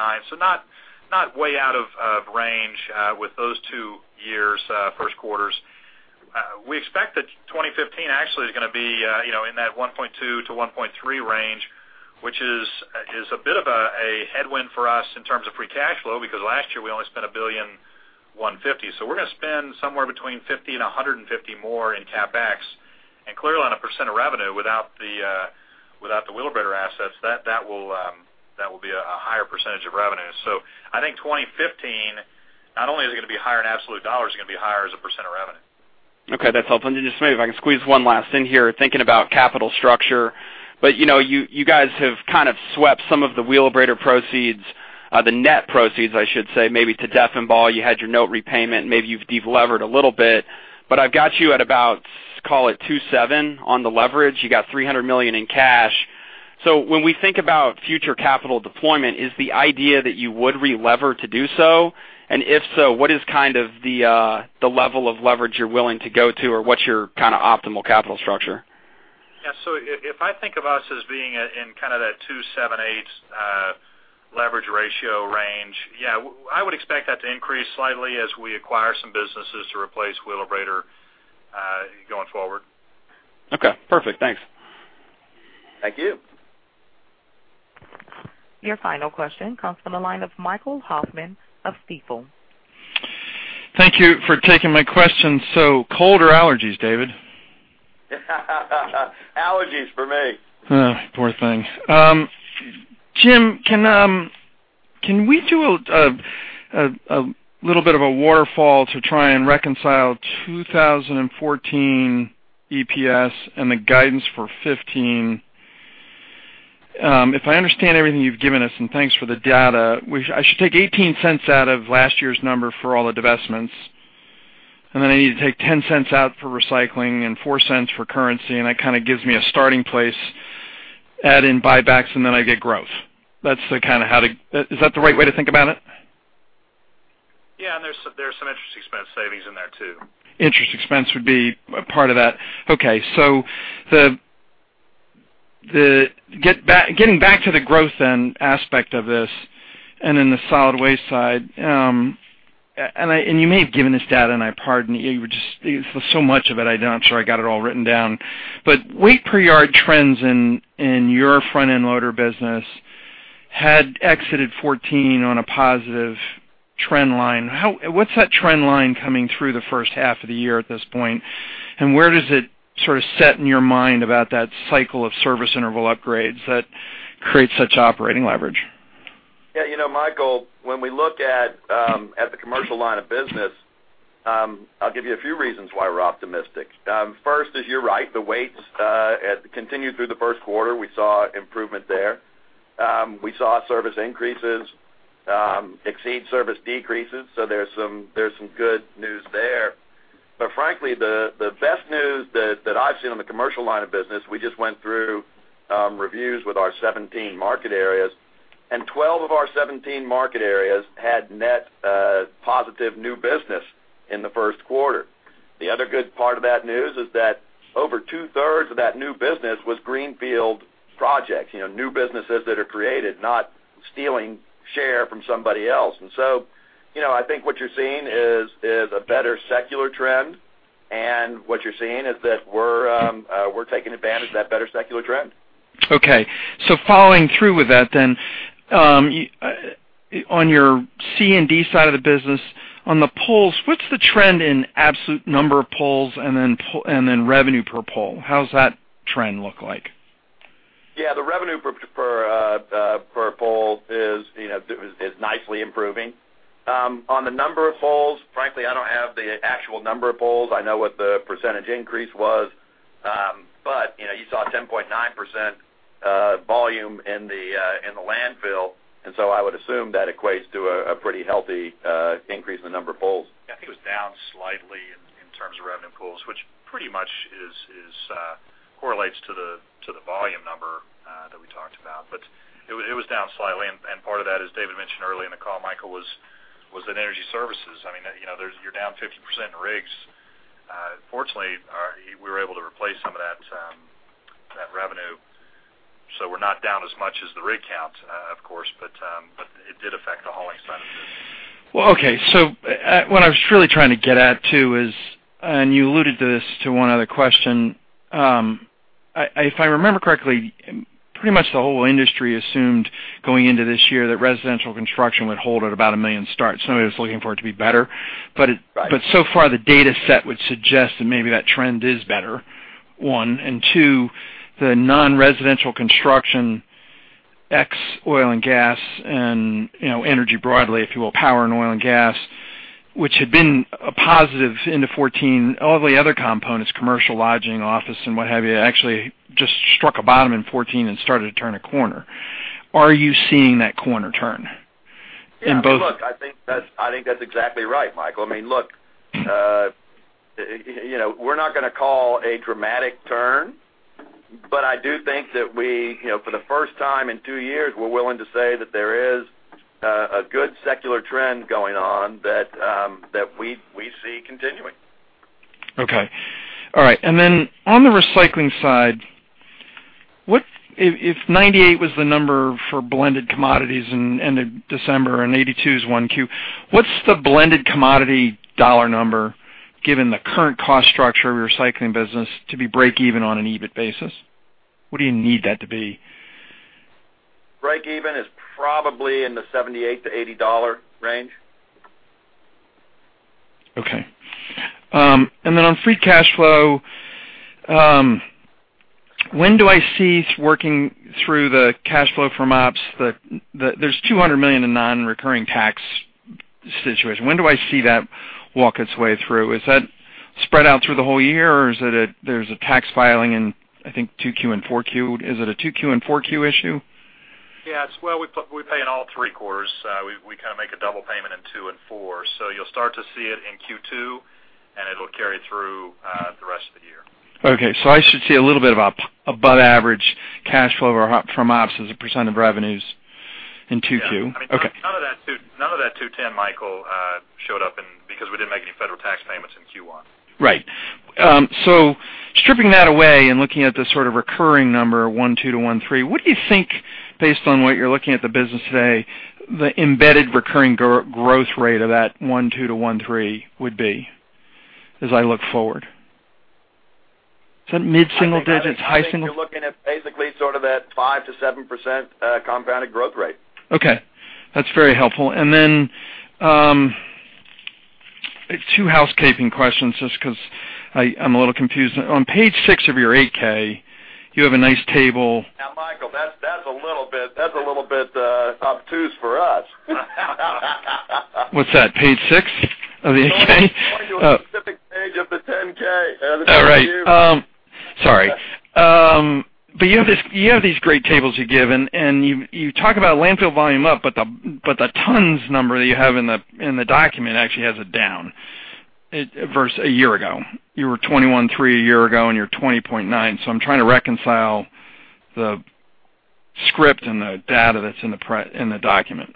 Not way out of range with those two years' first quarters. We expect that 2015 actually is going to be in that $1.2 billion to $1.3 billion range, which is a bit of a headwind for us in terms of free cash flow, because last year we only spent $1.15 billion. We're going to spend somewhere between $50 million and $150 million more in CapEx. Clearly, on a percent of revenue without the Wheelabrator assets, that will be a higher percentage of revenue. I think 2015, not only is it going to be higher in absolute dollars, it's going to be higher as a percent of revenue. Okay. That's helpful. Just maybe if I can squeeze one last in here, thinking about capital structure. You guys have swept some of the Wheelabrator proceeds, the net proceeds I should say, maybe to Deffenbaugh. You had your note repayment. Maybe you've de-levered a little bit, but I've got you at about, call it, 2.7 on the leverage. You got $300 million in cash. When we think about future capital deployment, is the idea that you would re-lever to do so? If so, what is the level of leverage you're willing to go to, or what's your optimal capital structure? If I think of us as being in kind of that two seven eight leverage ratio range, I would expect that to increase slightly as we acquire some businesses to replace Wheelabrator, going forward. Okay, perfect. Thanks. Thank you. Your final question comes from the line of Michael Hoffman of Stifel. Thank you for taking my question. Cold or allergies, David? Allergies for me. Oh, poor thing. Jim, can we do a little bit of a waterfall to try and reconcile 2014 EPS and the guidance for 2015? I understand everything you've given us, thanks for the data, I should take $0.18 out of last year's number for all the divestments, I need to take $0.10 out for recycling and $0.04 for currency, that kind of gives me a starting place, add in buybacks, I get growth. Is that the right way to think about it? Yeah. There's some interest expense savings in that too. Interest expense would be a part of that. Okay. Getting back to the growth end aspect of this and in the solid waste side, and you may have given this data, and I pardon you, just so much of it, I'm sure I got it all written down, but weight per yard trends in your front end loader business had exited 14 on a positive trend line. What's that trend line coming through the first half of the year at this point, and where does it sort of set in your mind about that cycle of service interval upgrades that create such operating leverage? Yeah. Michael, when we look at the commercial line of business, I'll give you a few reasons why we're optimistic. First is, you're right, the weights, continued through the first quarter, we saw improvement there. We saw service increases exceed service decreases, so there's some good news there. Frankly, the best news that I've seen on the commercial line of business, we just went through reviews with our 17 market areas, and 12 of our 17 market areas had net positive new business in the first quarter. The other good part of that news is that over two-thirds of that new business was greenfield projects, new businesses that are created, not stealing share from somebody else. I think what you're seeing is a better secular trend, and what you're seeing is that we're taking advantage of that better secular trend. Okay. Following through with that then, on your C&D side of the business, on the pulls, what's the trend in absolute number of pulls and then revenue per pull? How's that trend look like? Yeah, the revenue per pull is nicely improving. On the number of pulls, frankly, I don't have the actual number of pulls. I know what the percentage increase was. You saw a 10.9% volume in the landfill, I would assume that equates to a pretty healthy increase in the number of pulls. Yeah, I think it was down slightly in terms of revenue pulls, which pretty much correlates to the volume number that we talked about. It was down slightly, and part of that, as David mentioned early in the call, Michael, was in energy services. You're down 50% in rigs. Fortunately, we were able to replace some of that revenue, so we're not down as much as the rig count, of course, but it did affect the hauling side of business. Okay. What I was truly trying to get at too is, you alluded to this to one other question. If I remember correctly, pretty much the whole industry assumed going into this year that residential construction would hold at about a million starts. So far the data set would suggest that maybe that trend is better, one, and two, the non-residential construction ex oil and gas and energy broadly, if you will, power and oil and gas, which had been a positive into 2014. All the other components, commercial, lodging, office, and what have you, actually just struck a bottom in 2014 and started to turn a corner. Are you seeing that corner turn in both? Yeah, look, I think that's exactly right, Michael. Look, we're not going to call a dramatic turn, but I do think that for the first time in two years, we're willing to say that there is a good secular trend going on that we see continuing. Okay. All right. Then on the recycling side, if 98 was the number for blended commodities in end of December and 82 is 1Q, what's the blended commodity dollar number, given the current cost structure of your recycling business to be break even on an EBIT basis? What do you need that to be? Break even is probably in the $78 to $80 range. Okay. Then on free cash flow, when do I see working through the cash flow from ops? There's $200 million in non-recurring tax situation. When do I see that walk its way through? Is that spread out through the whole year or there's a tax filing in, I think, 2Q and 4Q. Is it a 2Q and 4Q issue? Yes. Well, we pay in all three quarters. We kind of make a double payment in two and four. You'll start to see it in Q2, and it'll carry through the rest of the year. Okay, I should see a little bit of above average cash flow from ops as a % of revenues in 2Q. Yeah. Okay. None of that $210, Michael, showed up in Next payment's in Q1. Right. Stripping that away and looking at the sort of recurring number 12%-13%, what do you think, based on what you're looking at the business today, the embedded recurring growth rate of that 12%-13% would be as I look forward? Is that mid-single digits, high single- I think you're looking at basically sort of that 5%-7% compounded growth rate. Okay. That's very helpful. Then, two housekeeping questions, just because I'm a little confused. On page six of your 8-K, you have a nice table- Michael, that's a little bit obtuse for us. What's that? Page six of the 8-K? I'm pointing to a specific page of the 10-K. All right. Sorry. You have these great tables you give, and you talk about landfill volume up, but the tons number that you have in the document actually has it down versus a year ago. You were 21.3 a year ago, and you're 20.9. I'm trying to reconcile the script and the data that's in the document.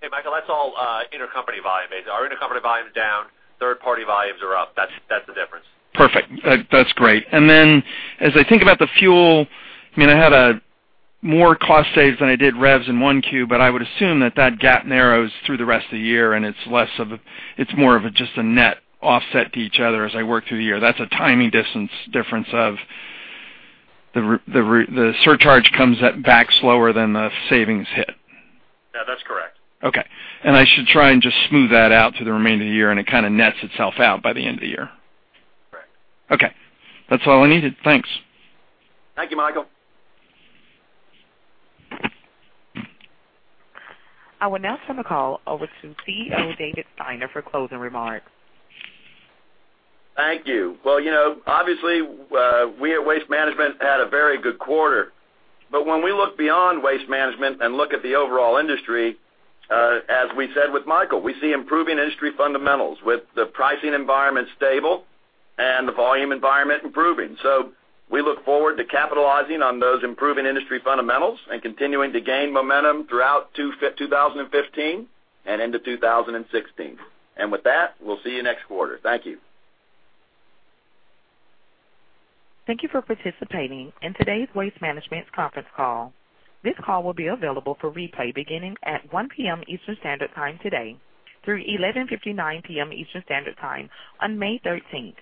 Hey, Michael, that's all intercompany volume, basically. Our intercompany volume's down, third-party volumes are up. That's the difference. Perfect. That's great. As I think about the fuel, I had more cost saves than I did revs in one Q, I would assume that that gap narrows through the rest of the year, and it's more of just a net offset to each other as I work through the year. That's a timing difference of the surcharge comes back slower than the savings hit. Yeah, that's correct. Okay. I should try and just smooth that out through the remainder of the year, and it kind of nets itself out by the end of the year. Correct. Okay. That's all I needed. Thanks. Thank you, Michael. I will now turn the call over to CEO, David Steiner, for closing remarks. Thank you. Well, obviously, we at Waste Management had a very good quarter. When we look beyond Waste Management and look at the overall industry, as we said with Michael, we see improving industry fundamentals with the pricing environment stable and the volume environment improving. We look forward to capitalizing on those improving industry fundamentals and continuing to gain momentum throughout 2015 and into 2016. With that, we'll see you next quarter. Thank you. Thank you for participating in today's Waste Management conference call. This call will be available for replay beginning at 1:00 PM Eastern Standard Time today through 11:59 PM Eastern Standard Time on May 13th.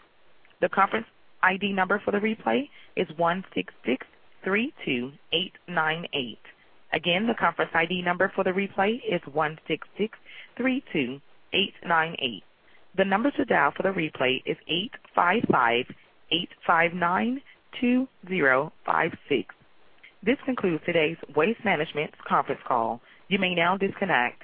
The conference ID number for the replay is 16632898. Again, the conference ID number for the replay is 16632898. The number to dial for the replay is 855-859-2056. This concludes today's Waste Management conference call. You may now disconnect.